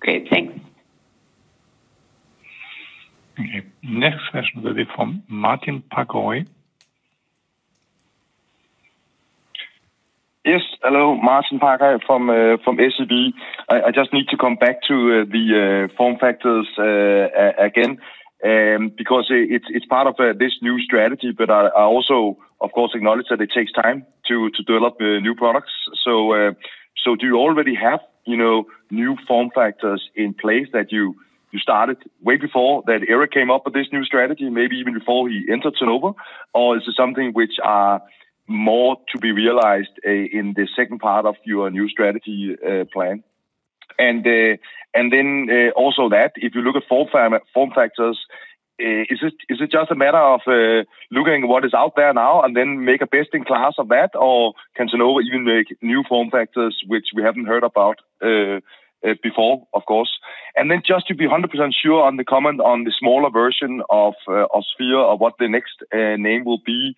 Great. Thanks. Okay. Next question will be from Martin Parkhøi. Hello. Martin Parkhøi from SEB. I just need to come back to the form factors again because it's part of this new strategy, but I also, of course, acknowledge that it takes time to develop new products. Do you already have, you know, new form factors in place that you started way before Eric came up with this new strategy, maybe even before he entered Sonova? Or is it something which are more to be realized in the second part of your new strategy plan? Also, if you look at form factors, is it just a matter of looking what is out there now and then make a best in class of that? Can Sonova even make new form factors which we haven't heard about before, of course? Then just to be 100% sure on the comment on the smaller version of Sphere or what the next name will be,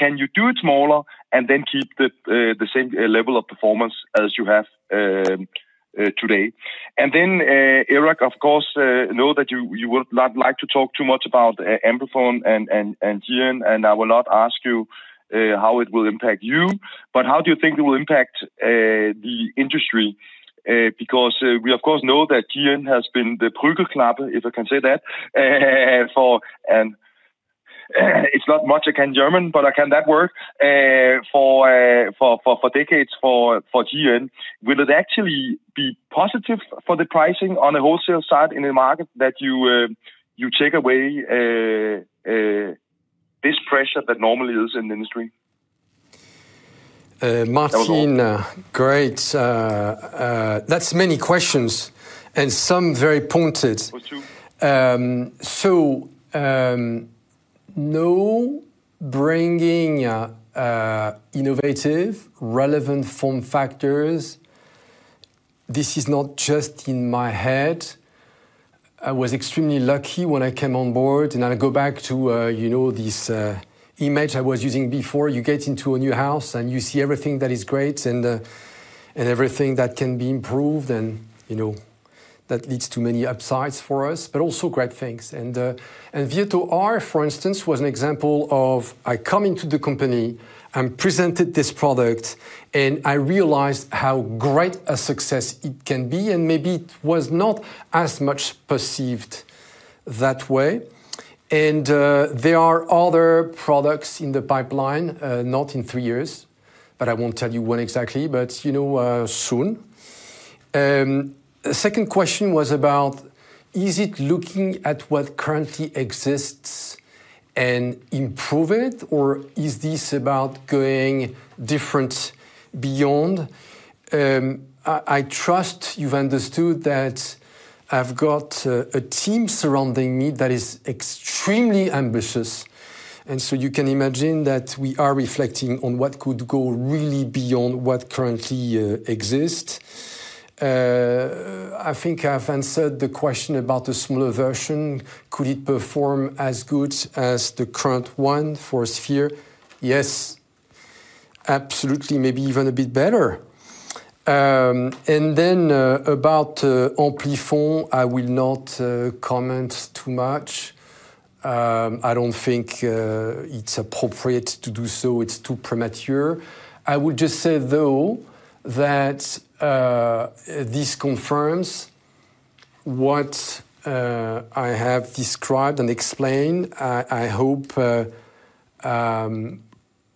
can you do it smaller and then keep the same level of performance as you have today? Then, Eric, of course, I know that you would not like to talk too much about Amplifon and GN, and I will not ask you how it will impact you, but how do you think it will impact the industry? We of course know that GN has been the Prügelknabe, if I can say that, it's not much German I can, but I can say it, for decades. Will it actually be positive for the pricing on the wholesale side in the market that you take away this pressure that normally is in the industry? Martin, great. That's many questions and some very pointed. two. Bringing innovative, relevant form factors. This is not just in my head. I was extremely lucky when I came on board, and I go back to you know this image I was using before. You get into a new house, and you see everything that is great and everything that can be improved and, you know, that leads to many upsides for us, but also great things. Virto R, for instance, was an example of I come into the company and presented this product, and I realized how great a success it can be, and maybe it was not as much perceived that way. There are other products in the pipeline, not in three years, but I won't tell you when exactly, but, you know, soon. Second question was about, is it looking at what currently exists and improve it, or is this about going different beyond? I trust you've understood that I've got a team surrounding me that is extremely ambitious. You can imagine that we are reflecting on what could go really beyond what currently exists. I think I've answered the question about the smaller version. Could it perform as good as the current one for Sphere? Yes, absolutely. Maybe even a bit better. About Amplifon, I will not comment too much. I don't think it's appropriate to do so. It's too premature. I would just say, though, that this confirms what I have described and explained, I hope,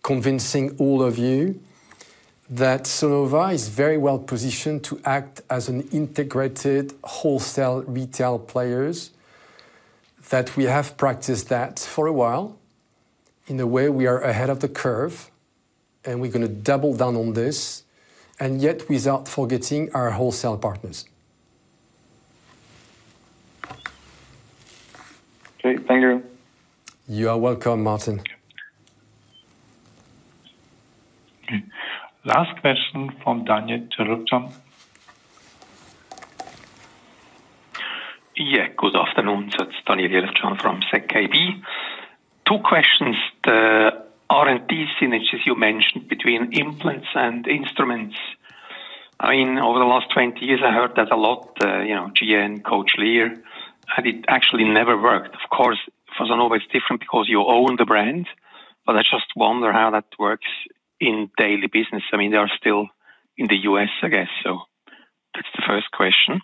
convincing all of you that Sonova is very well-positioned to act as an integrated wholesale-retail players, that we have practiced that for a while. In a way, we are ahead of the curve, and we're gonna double down on this, and yet without forgetting our wholesale partners. Okay, thank you. You are welcome, Martin. Okay. Last question from Daniel Buchta. Yeah. Good afternoon. It's Daniel Buchta from Zürcher Kantonalbank. Two questions. The R&D synergies you mentioned between implants and instruments. I mean, over the last 20 years, I heard that a lot, you know, GN, Cochlear, and it actually never worked. Of course, for Sonova it's different because you own the brand, but I just wonder how that works in daily business. I mean, they are still in the U.S., I guess. That's the first question.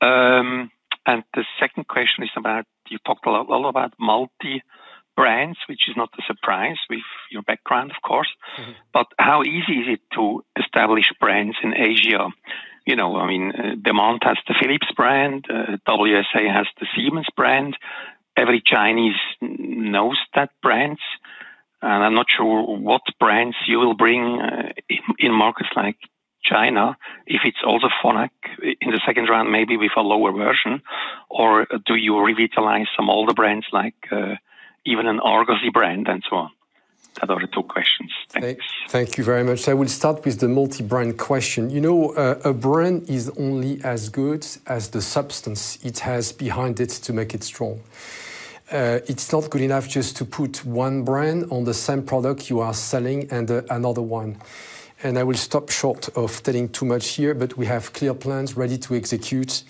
The second question is about you talked a lot about multi-brands, which is not a surprise with your background, of course. Mm-hmm. How easy is it to establish brands in Asia? You know, I mean, Demant has the Philips brand, WSA has the Siemens brand. Every Chinese knows that brands, and I'm not sure what brands you will bring in markets like China, if it's also Phonak in the second round, maybe with a lower version, or do you revitalize some older brands like even an Argosy brand and so on? Those are the two questions. Thanks. Thanks. Thank you very much. I will start with the multi-brand question. You know, a brand is only as good as the substance it has behind it to make it strong. It's not good enough just to put one brand on the same product you are selling and another one. I will stop short of telling too much here, but we have clear plans ready to execute,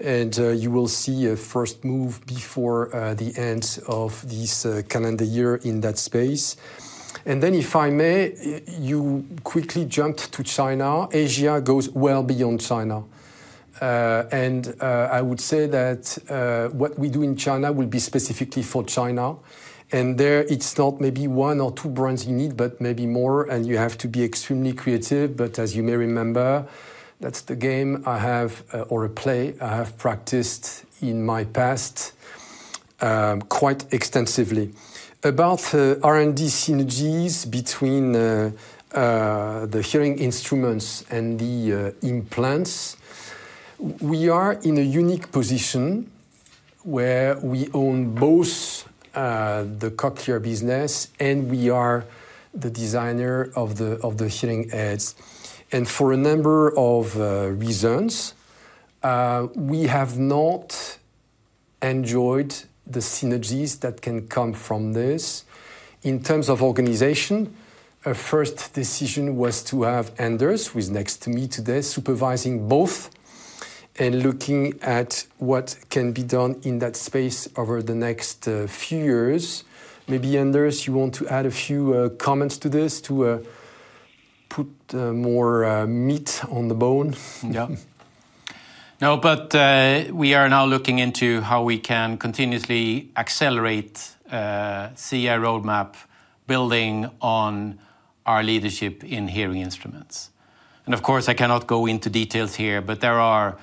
and you will see a first move before the end of this calendar year in that space. Then if I may, you quickly jumped to China. Asia goes well beyond China. I would say that what we do in China will be specifically for China. There it's not maybe one or two brands you need, but maybe more, and you have to be extremely creative. As you may remember, that's the game I have, or a play I have practiced in my past, quite extensively. About R&D synergies between the hearing instruments and the implants, we are in a unique position where we own both the cochlear business, and we are the designer of the hearing aids. For a number of reasons, we have not enjoyed the synergies that can come from this. In terms of organization, our first decision was to have Anders, who is next to me today, supervising both and looking at what can be done in that space over the next few years. Maybe, Anders, you want to add a few comments to this to put more meat on the bone? Yeah. No, but, we are now looking into how we can continuously accelerate, CI roadmap building on our leadership in hearing instruments. Of course, I cannot go into details here, but there are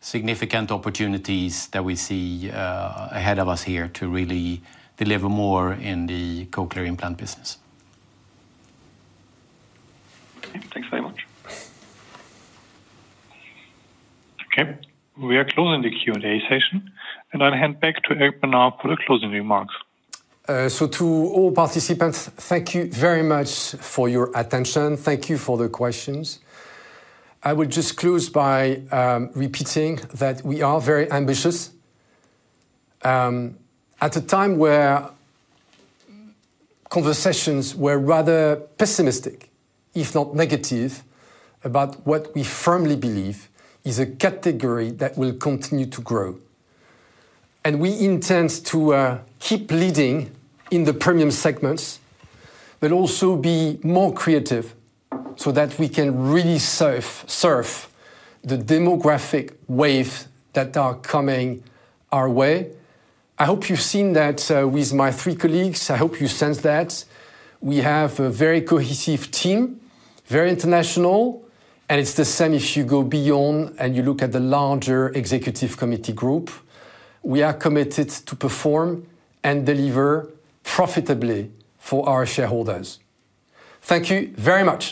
significant opportunities that we see ahead of us here to really deliver more in the cochlear implant business. Okay. Thanks very much. Okay. We are closing the Q&A session, and I'll hand back to Eric Bernard for the closing remarks. To all participants, thank you very much for your attention. Thank you for the questions. I will just close by repeating that we are very ambitious at a time where conversations were rather pessimistic, if not negative, about what we firmly believe is a category that will continue to grow. We intend to keep leading in the premium segments, but also be more creative so that we can really surf the demographic wave that are coming our way. I hope you've seen that with my three colleagues. I hope you sense that. We have a very cohesive team, very international, and it's the same if you go beyond and you look at the larger executive committee group. We are committed to perform and deliver profitably for our shareholders. Thank you very much.